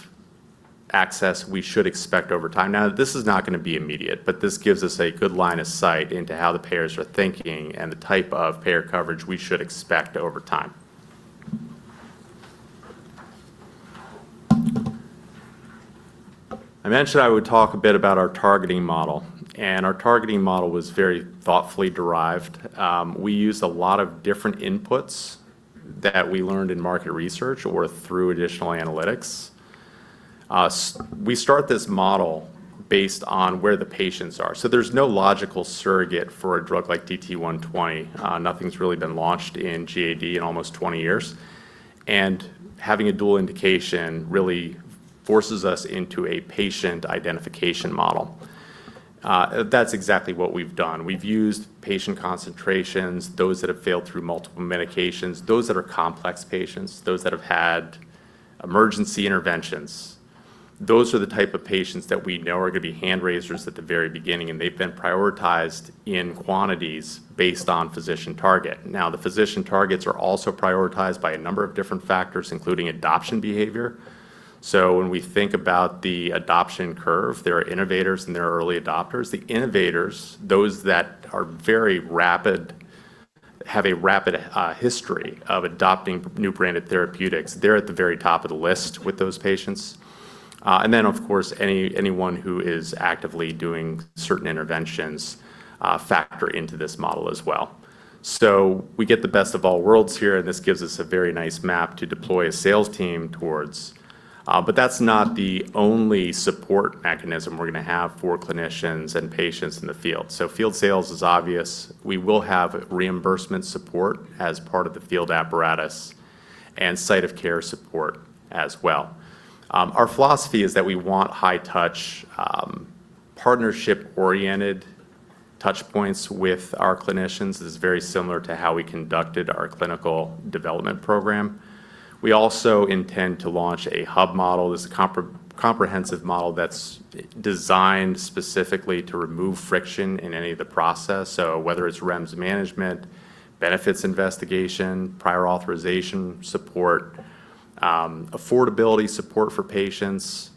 Speaker 7: access we should expect over time. Now, this is not going to be immediate, but this gives us a good line of sight into how the payers are thinking and the type of payer coverage we should expect over time. I mentioned I would talk a bit about our targeting model, and our targeting model was very thoughtfully derived. We used a lot of different inputs that we learned in market research or through additional analytics. We start this model based on where the patients are. There's no logical surrogate for a drug like DT120. Nothing's really been launched in GAD in almost 20 years. Having a dual indication really forces us into a patient identification model. That's exactly what we've done. We've used patient concentrations, those that have failed through multiple medications, those that are complex patients, those that have had emergency interventions. Those are the type of patients that we know are going to be hand raisers at the very beginning, and they've been prioritized in quantities based on physician target. Now, the physician targets are also prioritized by a number of different factors, including adoption behavior. When we think about the adoption curve, there are innovators and there are early adopters. The innovators, those that are very rapid, have a rapid history of adopting new branded therapeutics. They're at the very top of the list with those patients. Of course, anyone who is actively doing certain interventions factor into this model as well. We get the best of all worlds here, and this gives us a very nice map to deploy a sales team towards. That's not the only support mechanism we're going to have for clinicians and patients in the field. Field sales is obvious. We will have reimbursement support as part of the field apparatus and site of care support as well. Our philosophy is that we want high touch, partnership-oriented touchpoints with our clinicians. This is very similar to how we conducted our clinical development program. We also intend to launch a hub model. This is a comprehensive model that's designed specifically to remove friction in any of the process. Whether it's REMS management, benefits investigation, prior authorization support, affordability support for patients,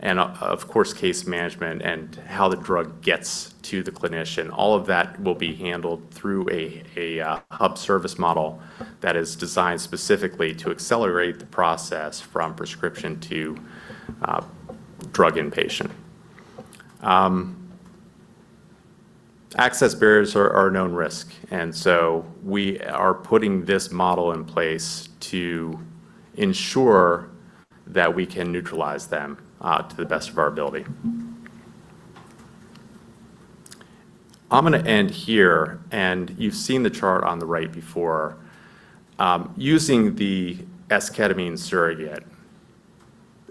Speaker 7: and of course, case management and how the drug gets to the clinician. All of that will be handled through a hub service model that is designed specifically to accelerate the process from prescription to drug in patient. Access barriers are a known risk, and so we are putting this model in place to ensure that we can neutralize them to the best of our ability. I'm going to end here, and you've seen the chart on the right before. Using the esketamine surrogate,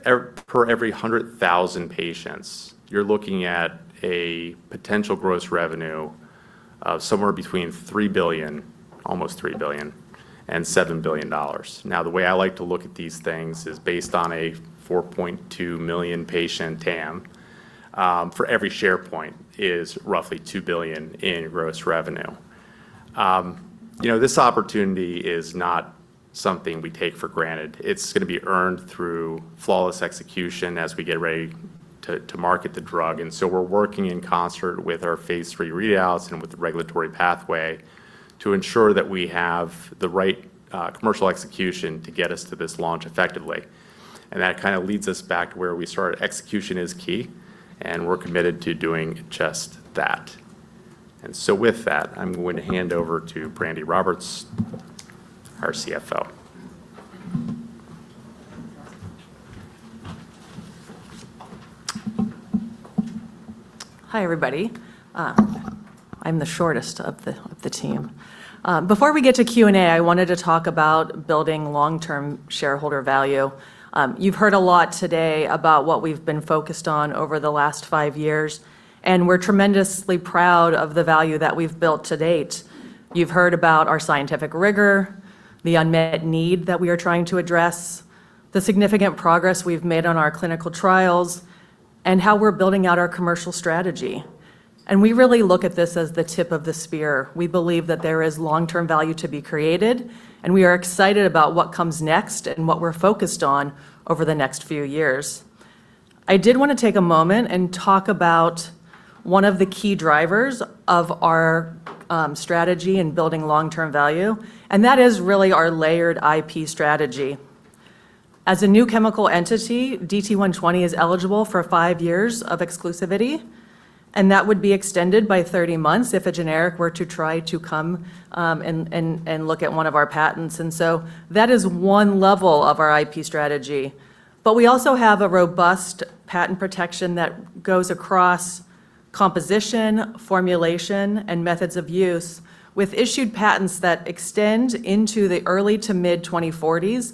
Speaker 7: per 100,000 patients, you're looking at a potential gross revenue of somewhere between almost $3 billion and $7 billion. Now, the way I like to look at these things is based on a 4.2 million-patient TAM. For every share point is roughly $2 billion in gross revenue. This opportunity is not something we take for granted. It's going to be earned through flawless execution as we get ready to market the drug. We're working in concert with our phase III readouts and with the regulatory pathway to ensure that we have the right commercial execution to get us to this launch effectively. That kind of leads us back to where we started. Execution is key, and we're committed to doing just that. With that, I'm going to hand over to Brandi Roberts, our CFO.
Speaker 8: Hi, everybody. I'm the shortest of the team. Before we get to Q and A, I wanted to talk about building long-term shareholder value. You've heard a lot today about what we've been focused on over the last five years, and we're tremendously proud of the value that we've built to date. You've heard about our scientific rigor, the unmet need that we are trying to address, the significant progress we've made on our clinical trials, and how we're building out our commercial strategy. We really look at this as the tip of the spear. We believe that there is long-term value to be created, and we are excited about what comes next and what we're focused on over the next few years. I did want to take a moment and talk about one of the key drivers of our strategy in building long-term value, and that is really our layered IP strategy. As a new chemical entity, DT120 is eligible for five years of exclusivity, and that would be extended by 30 months if a generic were to try to come, and look at one of our patents. That is one level of our IP strategy. We also have a robust patent protection that goes across composition, formulation, and methods of use with issued patents that extend into the early to mid-2040s,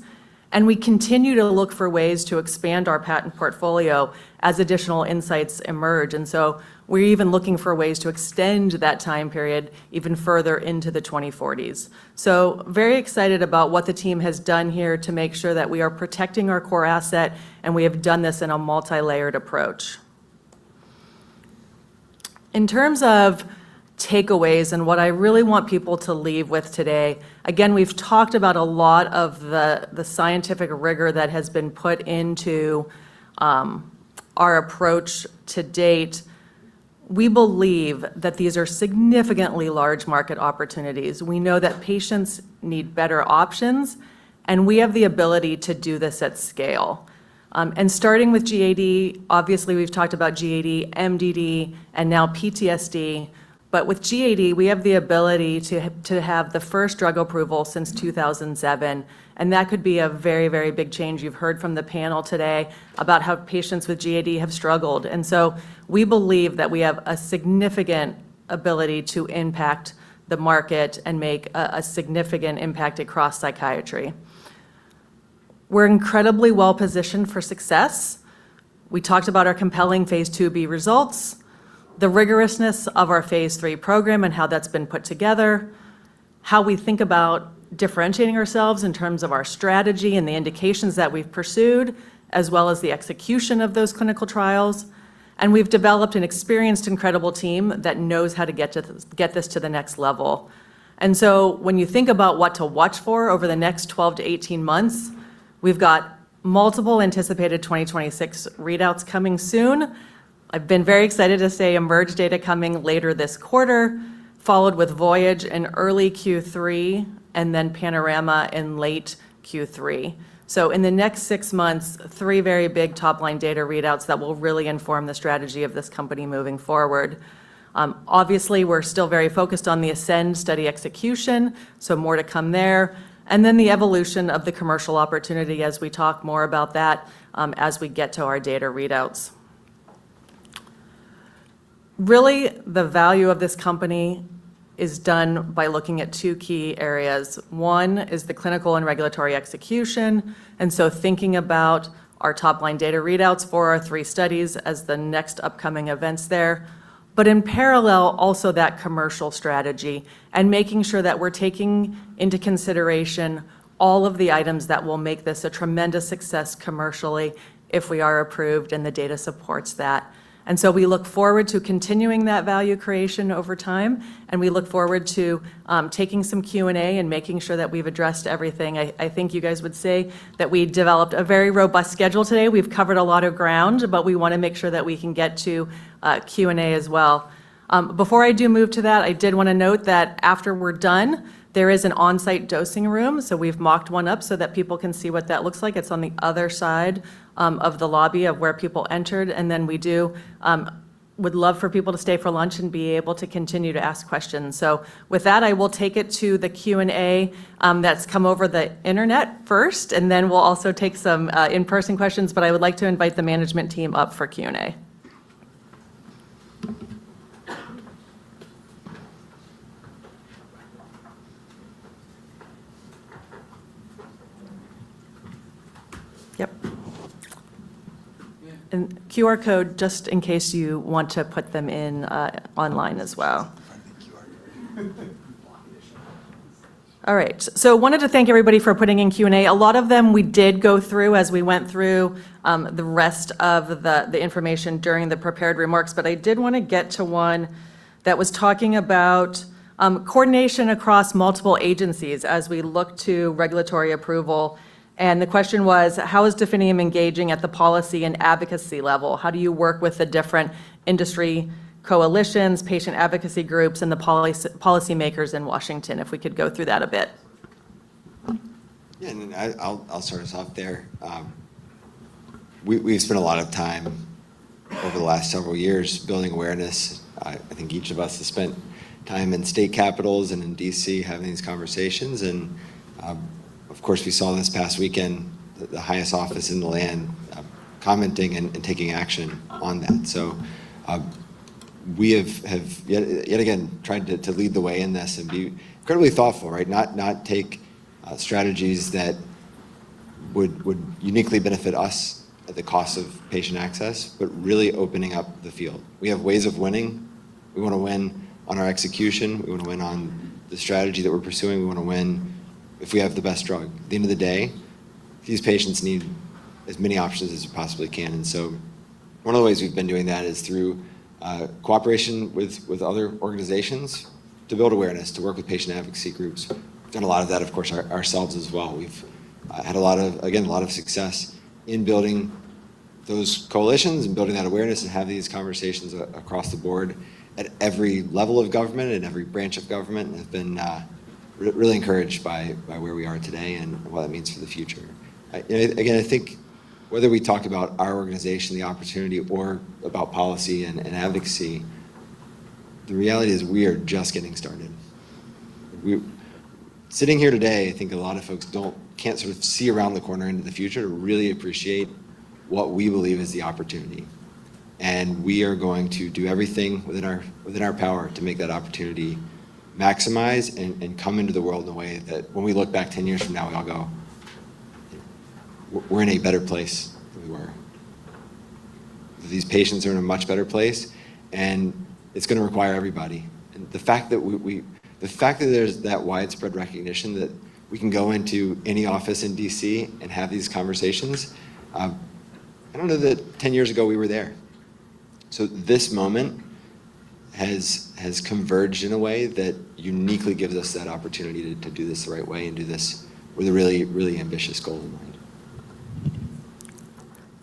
Speaker 8: and we continue to look for ways to expand our patent portfolio as additional insights emerge. We're even looking for ways to extend that time period even further into the 2040s. Very excited about what the team has done here to make sure that we are protecting our core asset, and we have done this in a multilayered approach. In terms of takeaways and what I really want people to leave with today, again, we've talked about a lot of the scientific rigor that has been put into our approach to date. We believe that these are significantly large market opportunities. We know that patients need better options, and we have the ability to do this at scale. Starting with GAD, obviously, we've talked about GAD, MDD, and now PTSD, but with GAD, we have the ability to have the first drug approval since 2007, and that could be a very big change. You've heard from the panel today about how patients with GAD have struggled. We believe that we have a significant ability to impact the market and make a significant impact across psychiatry. We're incredibly well-positioned for success. We talked about our compelling phase IIb results, the rigorousness of our phase III program, and how that's been put together, how we think about differentiating ourselves in terms of our strategy and the indications that we've pursued, as well as the execution of those clinical trials. We've developed an experienced, incredible team that knows how to get this to the next level. When you think about what to watch for over the next 12-18 months, we've got multiple anticipated 2026 readouts coming soon. I've been very excited to say EMERGE data coming later this quarter, followed with VOYAGE in early Q3, and then PANORAMA in late Q3. In the next six months, three very big top-line data readouts that will really inform the strategy of this company moving forward. Obviously, we're still very focused on the ASCEND study execution, so more to come there. Then the evolution of the commercial opportunity as we talk more about that as we get to our data readouts. Really, the value of this company is done by looking at two key areas. One is the clinical and regulatory execution, and so thinking about our top-line data readouts for our three studies as the next upcoming events there. In parallel, also that commercial strategy and making sure that we're taking into consideration all of the items that will make this a tremendous success commercially if we are approved and the data supports that. We look forward to continuing that value creation over time, and we look forward to taking some Q and A and making sure that we've addressed everything. I think you guys would say that we developed a very robust schedule today. We've covered a lot of ground, but we want to make sure that we can get to Q and A as well. Before I do move to that, I did want to note that after we're done, there is an on-site dosing room, so we've mocked one up so that people can see what that looks like. It's on the other side of the lobby of where people entered. We would love for people to stay for lunch and be able to continue to ask questions. With that, I will take it to the Q and A that's come over the internet first, and then we'll also take some in-person questions. I would like to invite the management team up for Q and A. Yep. QR code just in case you want to put them in online as well.
Speaker 1: Find the QR code.
Speaker 8: All right. Wanted to thank everybody for putting in Q and A. A lot of them we did go through as we went through the rest of the information during the prepared remarks, but I did want to get to one that was talking about coordination across multiple agencies as we look to regulatory approval. The question was: How is Definium engaging at the policy and advocacy level? How do you work with the different industry coalitions, patient advocacy groups, and the policymakers in Washington? If we could go through that a bit.
Speaker 1: Yeah. I'll start us off there. We've spent a lot of time over the last several years building awareness. I think each of us has spent time in state capitals and in D.C. having these conversations. Of course, we saw this past weekend the highest office in the land commenting and taking action on that. We have, yet again, tried to lead the way in this and be incredibly thoughtful, right? Not take strategies that would uniquely benefit us at the cost of patient access, but really opening up the field. We have ways of winning. We want to win on our execution. We want to win on the strategy that we're pursuing. We want to win if we have the best drug. At the end of the day, these patients need as many options as they possibly can. One of the ways we've been doing that is through cooperation with other organizations to build awareness, to work with patient advocacy groups. We've done a lot of that, of course, ourselves as well. We've had, again, a lot of success in building those coalitions and building that awareness and having these conversations across the board at every level of government and every branch of government, and have been really encouraged by where we are today and what it means for the future. Again, I think whether we talk about our organization, the opportunity, or about policy and advocacy, the reality is we are just getting started. Sitting here today, I think a lot of folks can't sort of see around the corner into the future to really appreciate what we believe is the opportunity. We are going to do everything within our power to make that opportunity maximize and come into the world in a way that when we look back 10 years from now, we all go, "We're in a better place than we were. These patients are in a much better place," and it's going to require everybody. The fact that there's that widespread recognition that we can go into any office in D.C. and have these conversations, I don't know that 10 years ago we were there. This moment has converged in a way that uniquely gives us that opportunity to do this the right way and do this with a really, really ambitious goal in mind.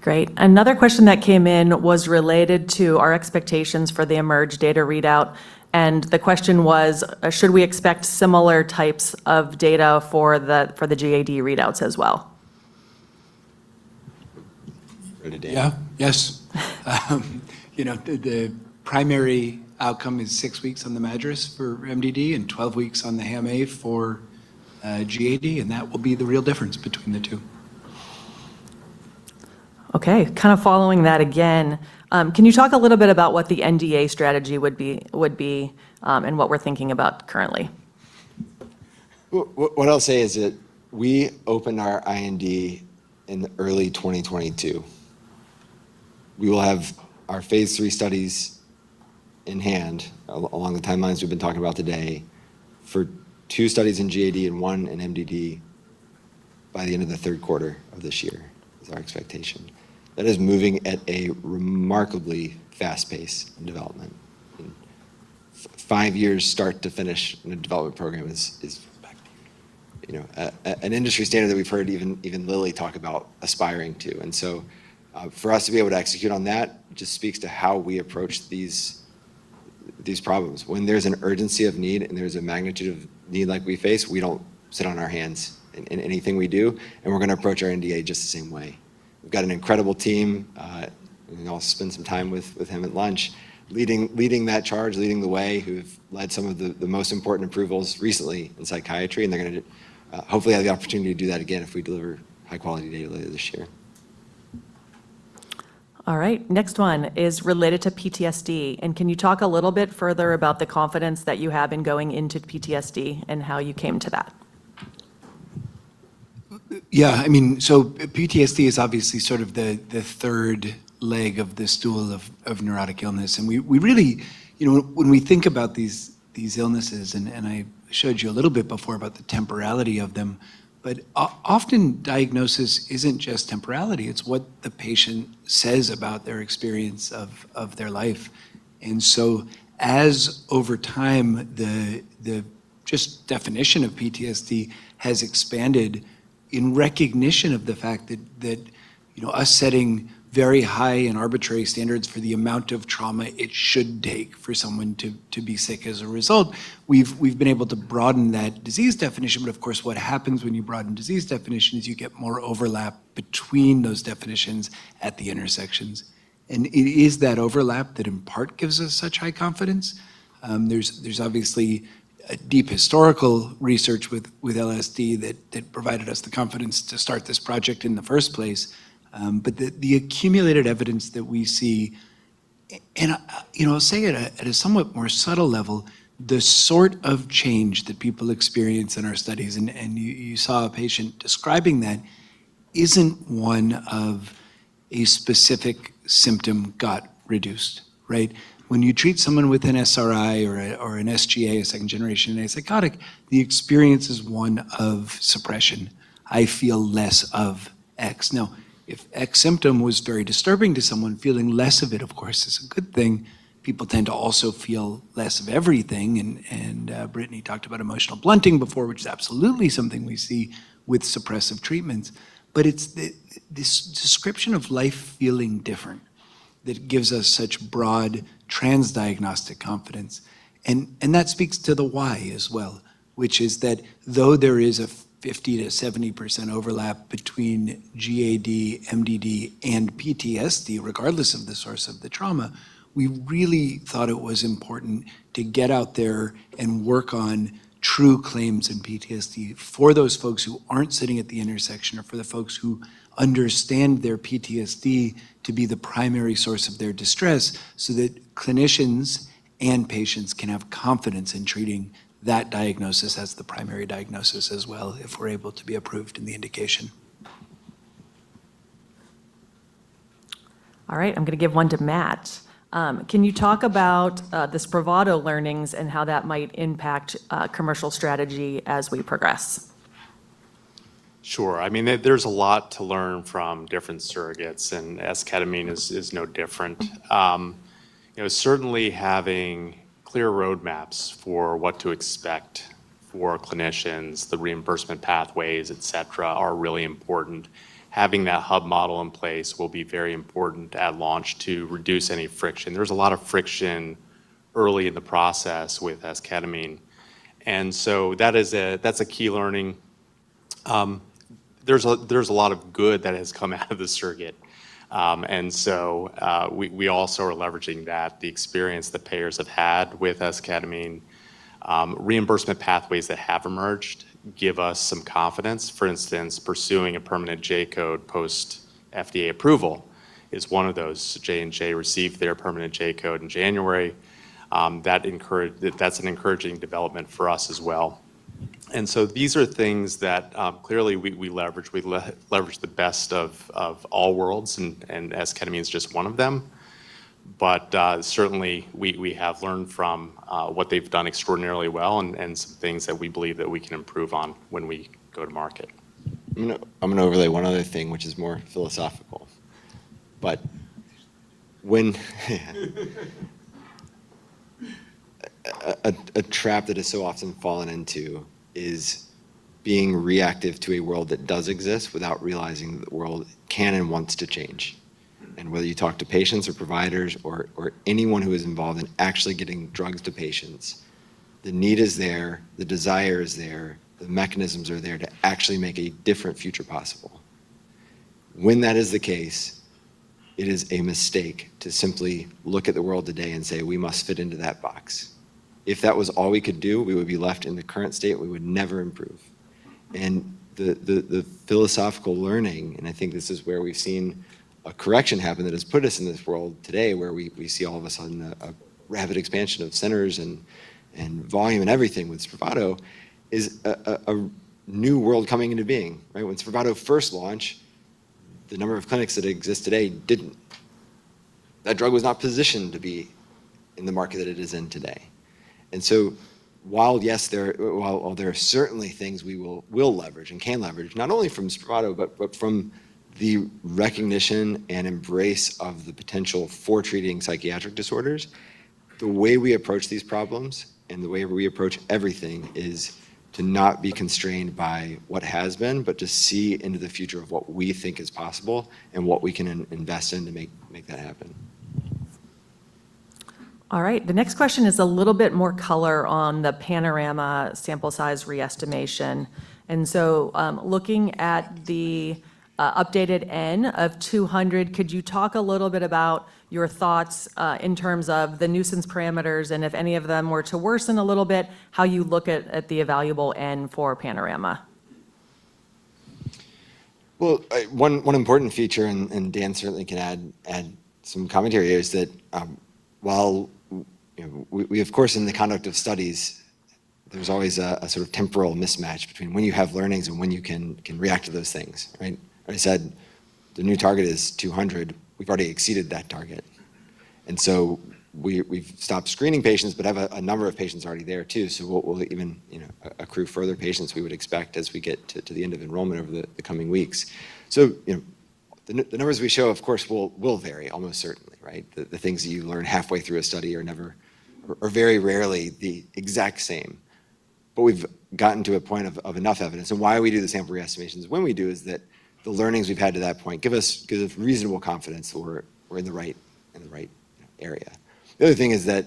Speaker 8: Great. Another question that came in was related to our expectations for the EMERGE data readout, and the question was: Should we expect similar types of data for the GAD readouts as well?
Speaker 1: Over to Dan.
Speaker 2: Yeah. Yes. The primary outcome is six weeks on the MADRS for MDD and 12 weeks on the HAM-A for GAD, and that will be the real difference between the two.
Speaker 8: Okay. Kind of following that again, can you talk a little bit about what the NDA strategy would be, and what we're thinking about currently?
Speaker 1: What I'll say is that we opened our IND in early 2022. We will have our phase III studies in hand along the timelines we've been talking about today for two studies in GAD and one in MDD. By the end of the third quarter of this year is our expectation. That is moving at a remarkably fast pace in development. In five years start to finish in a development program is spectacular. An industry standard that we've heard even Lilly talk about aspiring to. For us to be able to execute on that just speaks to how we approach these problems. When there's an urgency of need, and there's a magnitude of need like we face, we don't sit on our hands in anything we do, and we're going to approach our NDA just the same way. We've got an incredible team. You can all spend some time with him at lunch, leading that charge, leading the way, who've led some of the most important approvals recently in psychiatry. They're going to hopefully have the opportunity to do that again if we deliver high-quality data later this year.
Speaker 8: All right. Next one is related to PTSD. Can you talk a little bit further about the confidence that you have in going into PTSD, and how you came to that?
Speaker 2: Yeah. PTSD is obviously sort of the third leg of the stool of neurotic illness. When we think about these illnesses, and I showed you a little bit before about the temporality of them, but often diagnosis isn't just temporality, it's what the patient says about their experience of their life. As over time, the definition of PTSD has expanded in recognition of the fact that us setting very high and arbitrary standards for the amount of trauma it should take for someone to be sick as a result, we've been able to broaden that disease definition. Of course, what happens when you broaden disease definition is you get more overlap between those definitions at the intersections. It is that overlap that in part gives us such high confidence. There's obviously a deep historical research with LSD that provided us the confidence to start this project in the first place. The accumulated evidence that we see, and I'll say it at a somewhat more subtle level, the sort of change that people experience in our studies, and you saw a patient describing that, isn't one of a specific symptom got reduced, right? When you treat someone with an SRI or an SGA, a second generation antipsychotic, the experience is one of suppression. "I feel less of X." Now, if X symptom was very disturbing to someone, feeling less of it, of course, is a good thing. People tend to also feel less of everything. Brittany talked about emotional blunting before, which is absolutely something we see with suppressive treatments. It's this description of life feeling different that gives us such broad trans-diagnostic confidence, and that speaks to the why as well, which is that though there is a 50%-70% overlap between GAD, MDD, and PTSD, regardless of the source of the trauma, we really thought it was important to get out there and work on true claims in PTSD for those folks who aren't sitting at the intersection, or for the folks who understand their PTSD to be the primary source of their distress, so that clinicians and patients can have confidence in treating that diagnosis as the primary diagnosis as well if we're able to be approved in the indication.
Speaker 8: All right. I'm going to give one to Matt. Can you talk about the Spravato learnings and how that might impact commercial strategy as we progress?
Speaker 7: Sure. There's a lot to learn from different surrogates, and esketamine is no different. Certainly having clear roadmaps for what to expect for clinicians, the reimbursement pathways, et cetera, are really important. Having that hub model in place will be very important at launch to reduce any friction. There was a lot of friction early in the process with esketamine. That's a key learning. There's a lot of good that has come out of the surrogate. We also are leveraging that, the experience that payers have had with esketamine. Reimbursement pathways that have emerged give us some confidence. For instance, pursuing a permanent J-code post-FDA approval is one of those. J&J received their permanent J-code in January. That's an encouraging development for us as well. These are things that clearly we leverage. We leverage the best of all worlds, and esketamine is just one of them. Certainly, we have learned from what they've done extraordinarily well and some things that we believe that we can improve on when we go to market.
Speaker 1: I'm going to overlay one other thing which is more philosophical. When a trap that is so often fallen into is being reactive to a world that does exist without realizing the world can and wants to change. Whether you talk to patients or providers or anyone who is involved in actually getting drugs to patients, the need is there, the desire is there, the mechanisms are there to actually make a different future possible. When that is the case, it is a mistake to simply look at the world today and say, "We must fit into that box." If that was all we could do, we would be left in the current state, we would never improve. The philosophical learning, and I think this is where we've seen a correction happen that has put us in this world today, where we see all of a sudden a rapid expansion of centers and volume and everything with Spravato, is a new world coming into being, right? When Spravato first launched, the number of clinics that exist today didn't, that drug was not positioned to be in the market that it is in today. While, yes, there are certainly things we will leverage and can leverage, not only from Spravato, but from the recognition and embrace of the potential for treating psychiatric disorders, the way we approach these problems and the way we approach everything is to not be constrained by what has been, but to see into the future of what we think is possible and what we can invest in to make that happen.
Speaker 8: All right. The next question is a little bit more color on the PANORAMA sample size re-estimation. Looking at the updated N of 200, could you talk a little bit about your thoughts in terms of the nuisance parameters, and if any of them were to worsen a little bit, how you look at the evaluable N for PANORAMA?
Speaker 1: Well, one important feature, and Dan certainly can add some commentary, is that while we, of course, in the conduct of studies, there's always a sort of temporal mismatch between when you have learnings and when you can react to those things, right? I said the new target is 200. We've already exceeded that target. We've stopped screening patients but have a number of patients already there too. We'll even accrue further patients, we would expect, as we get to the end of enrollment over the coming weeks. The numbers we show, of course, will vary almost certainly, right? The things that you learn halfway through a study are very rarely the exact same. We've gotten to a point of enough evidence, and why we do the sample re-estimations when we do is that the learnings we've had to that point give us reasonable confidence that we're in the right area. The other thing is that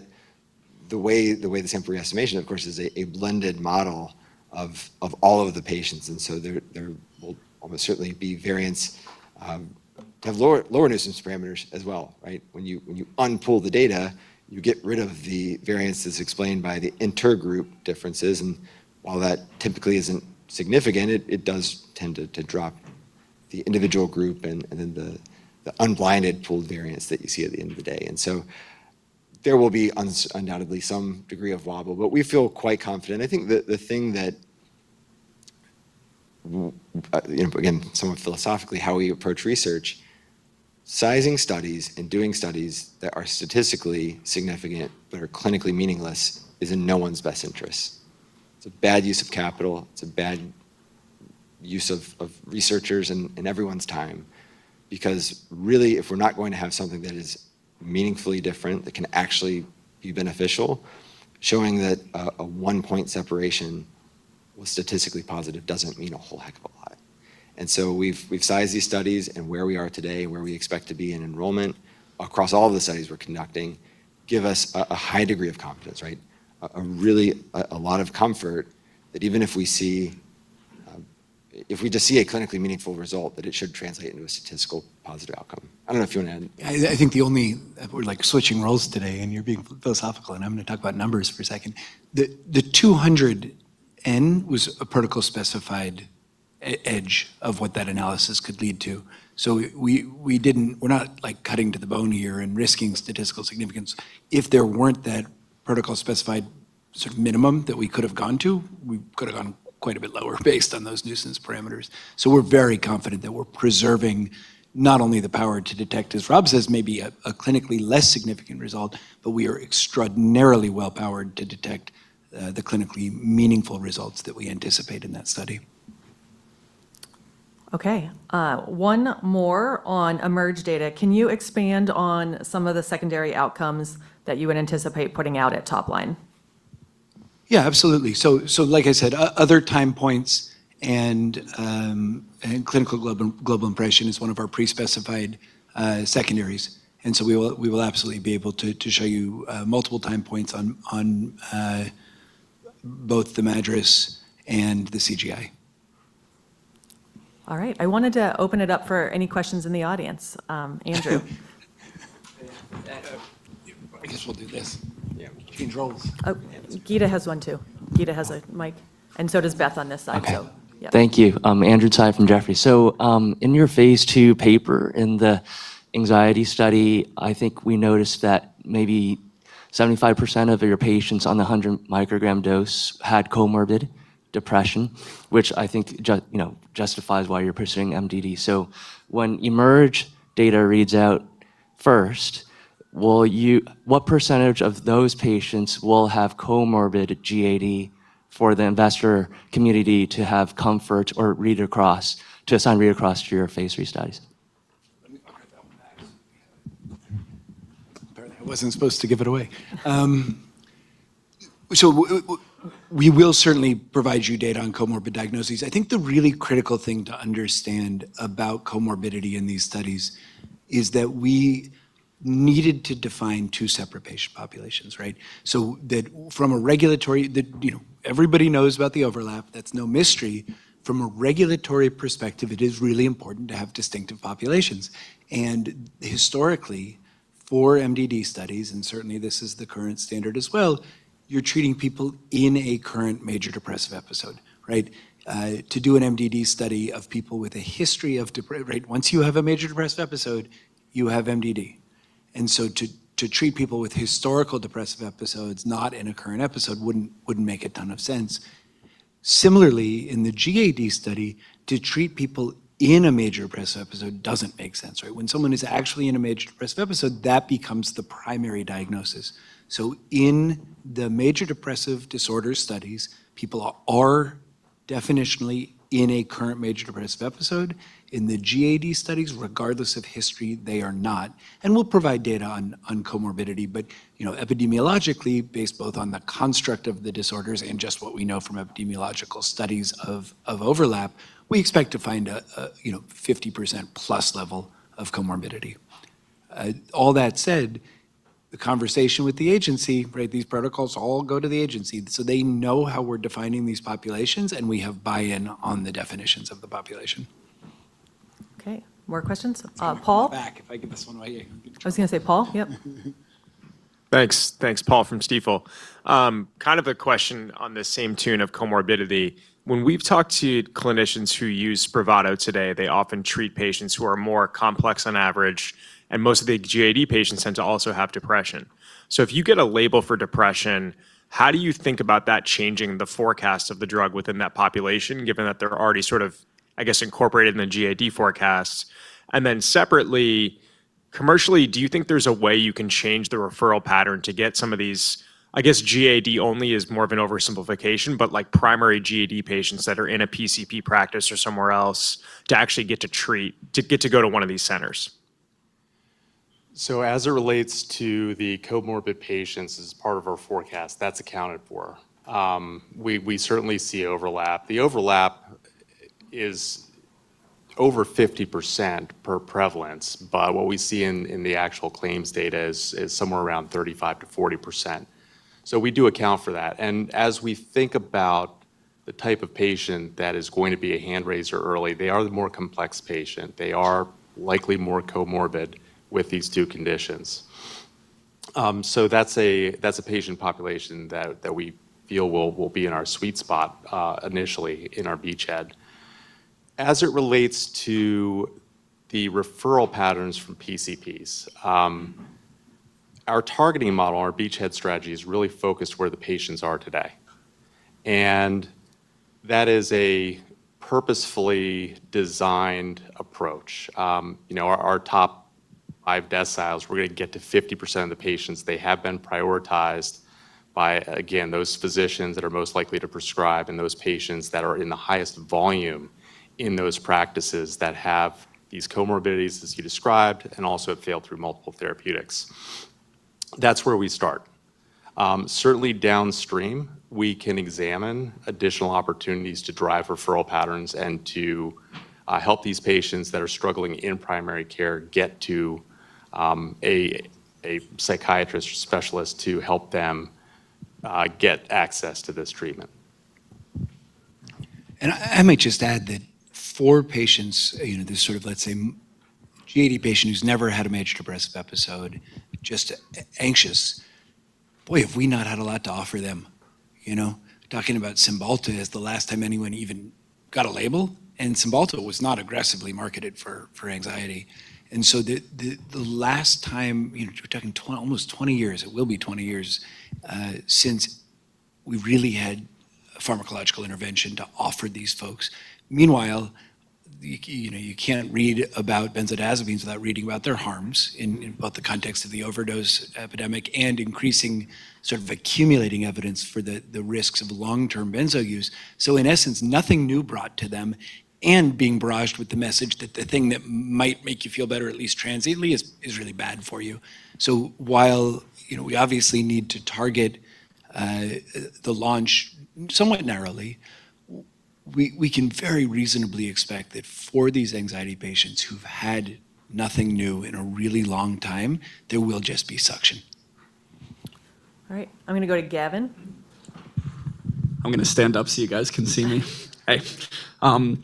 Speaker 1: the way the sample re-estimation, of course, is a blended model of all of the patients, and so there will almost certainly be variants that have lower nuisance parameters as well, right? When you unpool the data, you get rid of the variances explained by the inter-group differences, and while that typically isn't significant, it does tend to drop the individual group and then the unblinded pooled variance that you see at the end of the day. There will be undoubtedly some degree of wobble, but we feel quite confident. I think the thing that, again, somewhat philosophically, how we approach research, sizing studies and doing studies that are statistically significant but are clinically meaningless is in no one's best interest. It's a bad use of capital. It's a bad use of researchers and everyone's time. Because really, if we're not going to have something that is meaningfully different, that can actually be beneficial, showing that a one-point separation was statistically positive doesn't mean a whole heck of a lot. We've sized these studies and where we are today, where we expect to be in enrollment across all of the studies we're conducting, give us a high degree of confidence, right? A lot of comfort that even if we just see a clinically meaningful result, that it should translate into a statistical positive outcome. I don't know if you want to add anything.
Speaker 2: We're like switching roles today, and you're being philosophical, and I'm going to talk about numbers for a second. The 200 N was a protocol-specified edge of what that analysis could lead to. We're not cutting to the bone here and risking statistical significance. If there weren't that protocol-specified sort of minimum that we could have gone to, we could have gone quite a bit lower based on those nuisance parameters. We're very confident that we're preserving not only the power to detect, as Rob says, maybe a clinically less significant result, but we are extraordinarily well-powered to detect the clinically meaningful results that we anticipate in that study.
Speaker 8: Okay. One more on EMERGE data. Can you expand on some of the secondary outcomes that you would anticipate putting out at top line?
Speaker 2: Yeah, absolutely. Like I said, other time points and Clinical Global Impression is one of our pre-specified secondaries. We will absolutely be able to show you multiple time points on both the MADRS and the CGI.
Speaker 8: All right. I wanted to open it up for any questions in the audience. Andrew.
Speaker 9: I guess we'll do this.
Speaker 2: Yeah. Change roles.
Speaker 8: Oh, Gita has one too. Gita has a mic. And so does Beth on this side.
Speaker 2: Okay.
Speaker 9: Yeah. Thank you. Andrew Tsai from Jefferies. In your phase II paper in the anxiety study, I think we noticed that maybe 75% of your patients on the 100 microgram dose had comorbid depression, which I think justifies why you're pursuing MDD. When EMERGE data reads out first, what percentage of those patients will have comorbid GAD for the investor community to have comfort or to assign read-across to your phase III studies?
Speaker 2: Let me grab that one back. Apparently, I wasn't supposed to give it away. We will certainly provide you data on comorbid diagnoses. I think the really critical thing to understand about comorbidity in these studies is that we needed to define two separate patient populations, right? Everybody knows about the overlap. That's no mystery. From a regulatory perspective, it is really important to have distinctive populations. Historically, for MDD studies, and certainly this is the current standard as well, you're treating people in a current major depressive episode, right? Once you have a major depressive episode, you have MDD. To treat people with historical depressive episodes not in a current episode wouldn't make a ton of sense. Similarly, in the GAD study, to treat people in a major depressive episode doesn't make sense, right? When someone is actually in a major depressive episode, that becomes the primary diagnosis. In the major depressive disorder studies, people are definitionally in a current major depressive episode. In the GAD studies, regardless of history, they are not. We'll provide data on comorbidity. Epidemiologically, based both on the construct of the disorders and just what we know from epidemiological studies of overlap, we expect to find a 50%+ level of comorbidity. All that said, the conversation with the agency, right, these protocols all go to the agency, so they know how we're defining these populations, and we have buy-in on the definitions of the population.
Speaker 8: Okay. More questions. Paul?
Speaker 2: I'm going to pull back. If I get this one right, you're going to be.
Speaker 8: I was going to say, Paul? Yep.
Speaker 10: Thanks. Paul from Stifel. Kind of a question on the same vein of comorbidity. When we've talked to clinicians who use Spravato today, they often treat patients who are more complex on average, and most of the GAD patients tend to also have depression. If you get a label for depression, how do you think about that changing the forecast of the drug within that population, given that they're already sort of, I guess, incorporated in the GAD forecasts? Then separately, commercially, do you think there's a way you can change the referral pattern to get some of these, I guess GAD only is more of an oversimplification, but like primary GAD patients that are in a PCP practice or somewhere else to actually get to go to one of these centers?
Speaker 7: As it relates to the comorbid patients as part of our forecast, that's accounted for. We certainly see overlap. The overlap is over 50% per prevalence, but what we see in the actual claims data is somewhere around 35%-40%. We do account for that. As we think about the type of patient that is going to be a hand raiser early, they are the more complex patient. They are likely more comorbid with these two conditions. That's a patient population that we feel will be in our sweet spot initially in our beachhead. As it relates to the referral patterns from PCPs, our targeting model, our beachhead strategy is really focused where the patients are today. That is a purposefully designed approach. Our top five deciles, we're going to get to 50% of the patients. They have been prioritized by, again, those physicians that are most likely to prescribe and those patients that are in the highest volume in those practices that have these comorbidities as you described, and also have failed through multiple therapeutics. That's where we start. Certainly downstream, we can examine additional opportunities to drive referral patterns and to help these patients that are struggling in primary care get to a psychiatrist or specialist to help them get access to this treatment.
Speaker 2: I might just add that for patients, this sort of, let's say GAD patient who's never had a major depressive episode, just anxious. Boy, have we not had a lot to offer them. Talking about Cymbalta as the last time anyone even got a label, and Cymbalta was not aggressively marketed for anxiety. The last time, we're talking almost 20 years, it will be 20 years, since we've really had pharmacological intervention to offer these folks. Meanwhile, you can't read about benzodiazepines without reading about their harms in both the context of the overdose epidemic and increasing sort of accumulating evidence for the risks of long-term benzo use. In essence, nothing new brought to them and being barraged with the message that the thing that might make you feel better, at least transiently, is really bad for you. While we obviously need to target the launch somewhat narrowly, we can very reasonably expect that for these anxiety patients who've had nothing new in a really long time, there will just be suction.
Speaker 8: All right. I'm going to go to Gavin.
Speaker 11: I'm going to stand up so you guys can see me.
Speaker 8: Sorry.
Speaker 11: Hey.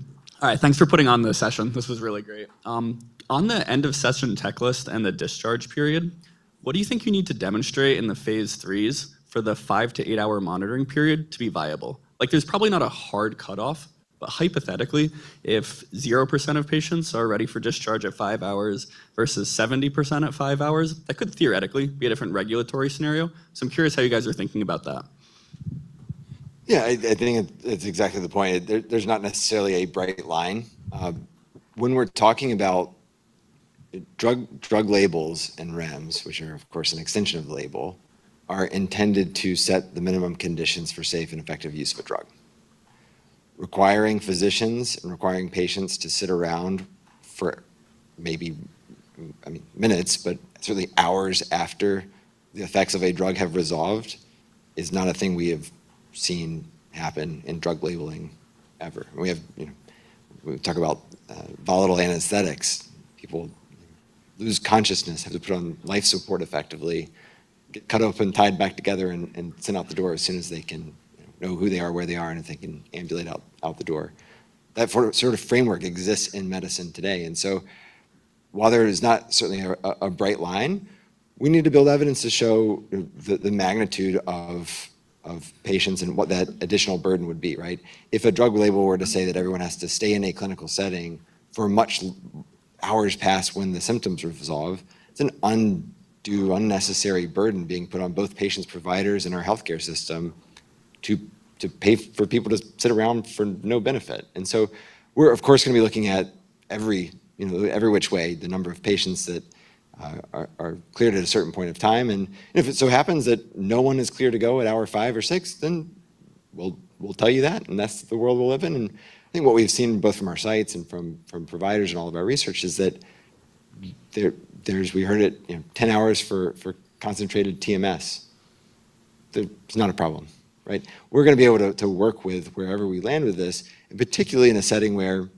Speaker 11: All right. Thanks for putting on this session. This was really great. On the end of session checklist and the discharge period, what do you think you need to demonstrate in the phase IIIs for the five to eight hour monitoring period to be viable? There's probably not a hard cutoff, but hypothetically, if 0% of patients are ready for discharge at five hours versus 70% at five hours, that could theoretically be a different regulatory scenario. I'm curious how you guys are thinking about that.
Speaker 1: Yeah, I think that's exactly the point. There's not necessarily a bright line. When we're talking about drug labels and REMS, which are of course an extension of the label, are intended to set the minimum conditions for safe and effective use of a drug. Requiring physicians and requiring patients to sit around for maybe, I mean, minutes, but certainly hours after the effects of a drug have resolved is not a thing we have seen happen in drug labeling ever. We talk about volatile anesthetics. People lose consciousness, have to be put on life support effectively, get cut open, tied back together, and sent out the door as soon as they can know who they are, where they are, and if they can ambulate out the door. That sort of framework exists in medicine today, and so while there is not certainly a bright line, we need to build evidence to show the magnitude of patients and what that additional burden would be, right? If a drug label were to say that everyone has to stay in a clinical setting for much hours past when the symptoms resolve, it's an undue, unnecessary burden being put on both patients, providers, and our healthcare system to pay for people to sit around for no benefit. We're of course going to be looking at every which way the number of patients that are cleared at a certain point of time, and if it so happens that no one is clear to go at hour five or six, then we'll tell you that, and that's the world we'll live in. I think what we've seen both from our sites and from providers and all of our research is that there's, we heard it, 10 hours for concentrated TMS. It's not a problem, right? We're going to be able to work with wherever we land with this, and particularly in a setting where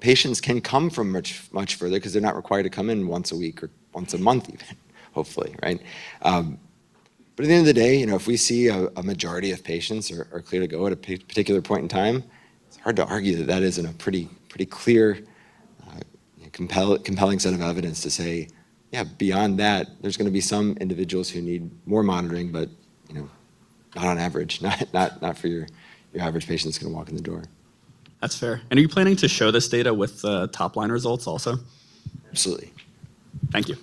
Speaker 1: patients can come from much further because they're not required to come in once a week or once a month even, hopefully, right? At the end of the day, if we see a majority of patients are clear to go at a particular point in time, it's hard to argue that that isn't a pretty clear, compelling set of evidence to say, yeah, beyond that, there's going to be some individuals who need more monitoring, but not on average. Not for your average patient that's going to walk in the door.
Speaker 11: That's fair. Are you planning to show this data with the top-line results also?
Speaker 1: Absolutely.
Speaker 11: Thank you.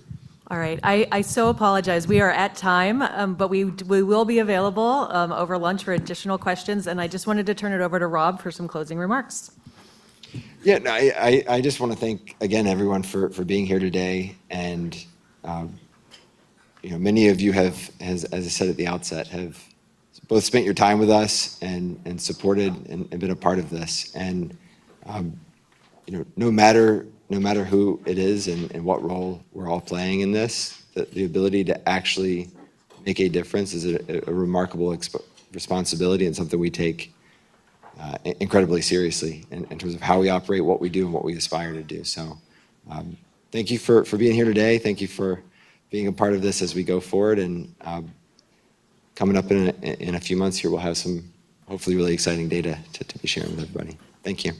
Speaker 8: All right. I so apologize. We are at time, but we will be available over lunch for additional questions, and I just wanted to turn it over to Rob for some closing remarks.
Speaker 1: Yeah. No, I just want to thank, again, everyone for being here today. Many of you, as I said at the outset, have both spent your time with us and supported and been a part of this. No matter who it is and what role we're all playing in this, the ability to actually make a difference is a remarkable responsibility and something we take incredibly seriously in terms of how we operate, what we do, and what we aspire to do. Thank you for being here today. Thank you for being a part of this as we go forward, and coming up in a few months here, we'll have some hopefully really exciting data to be sharing with everybody. Thank you.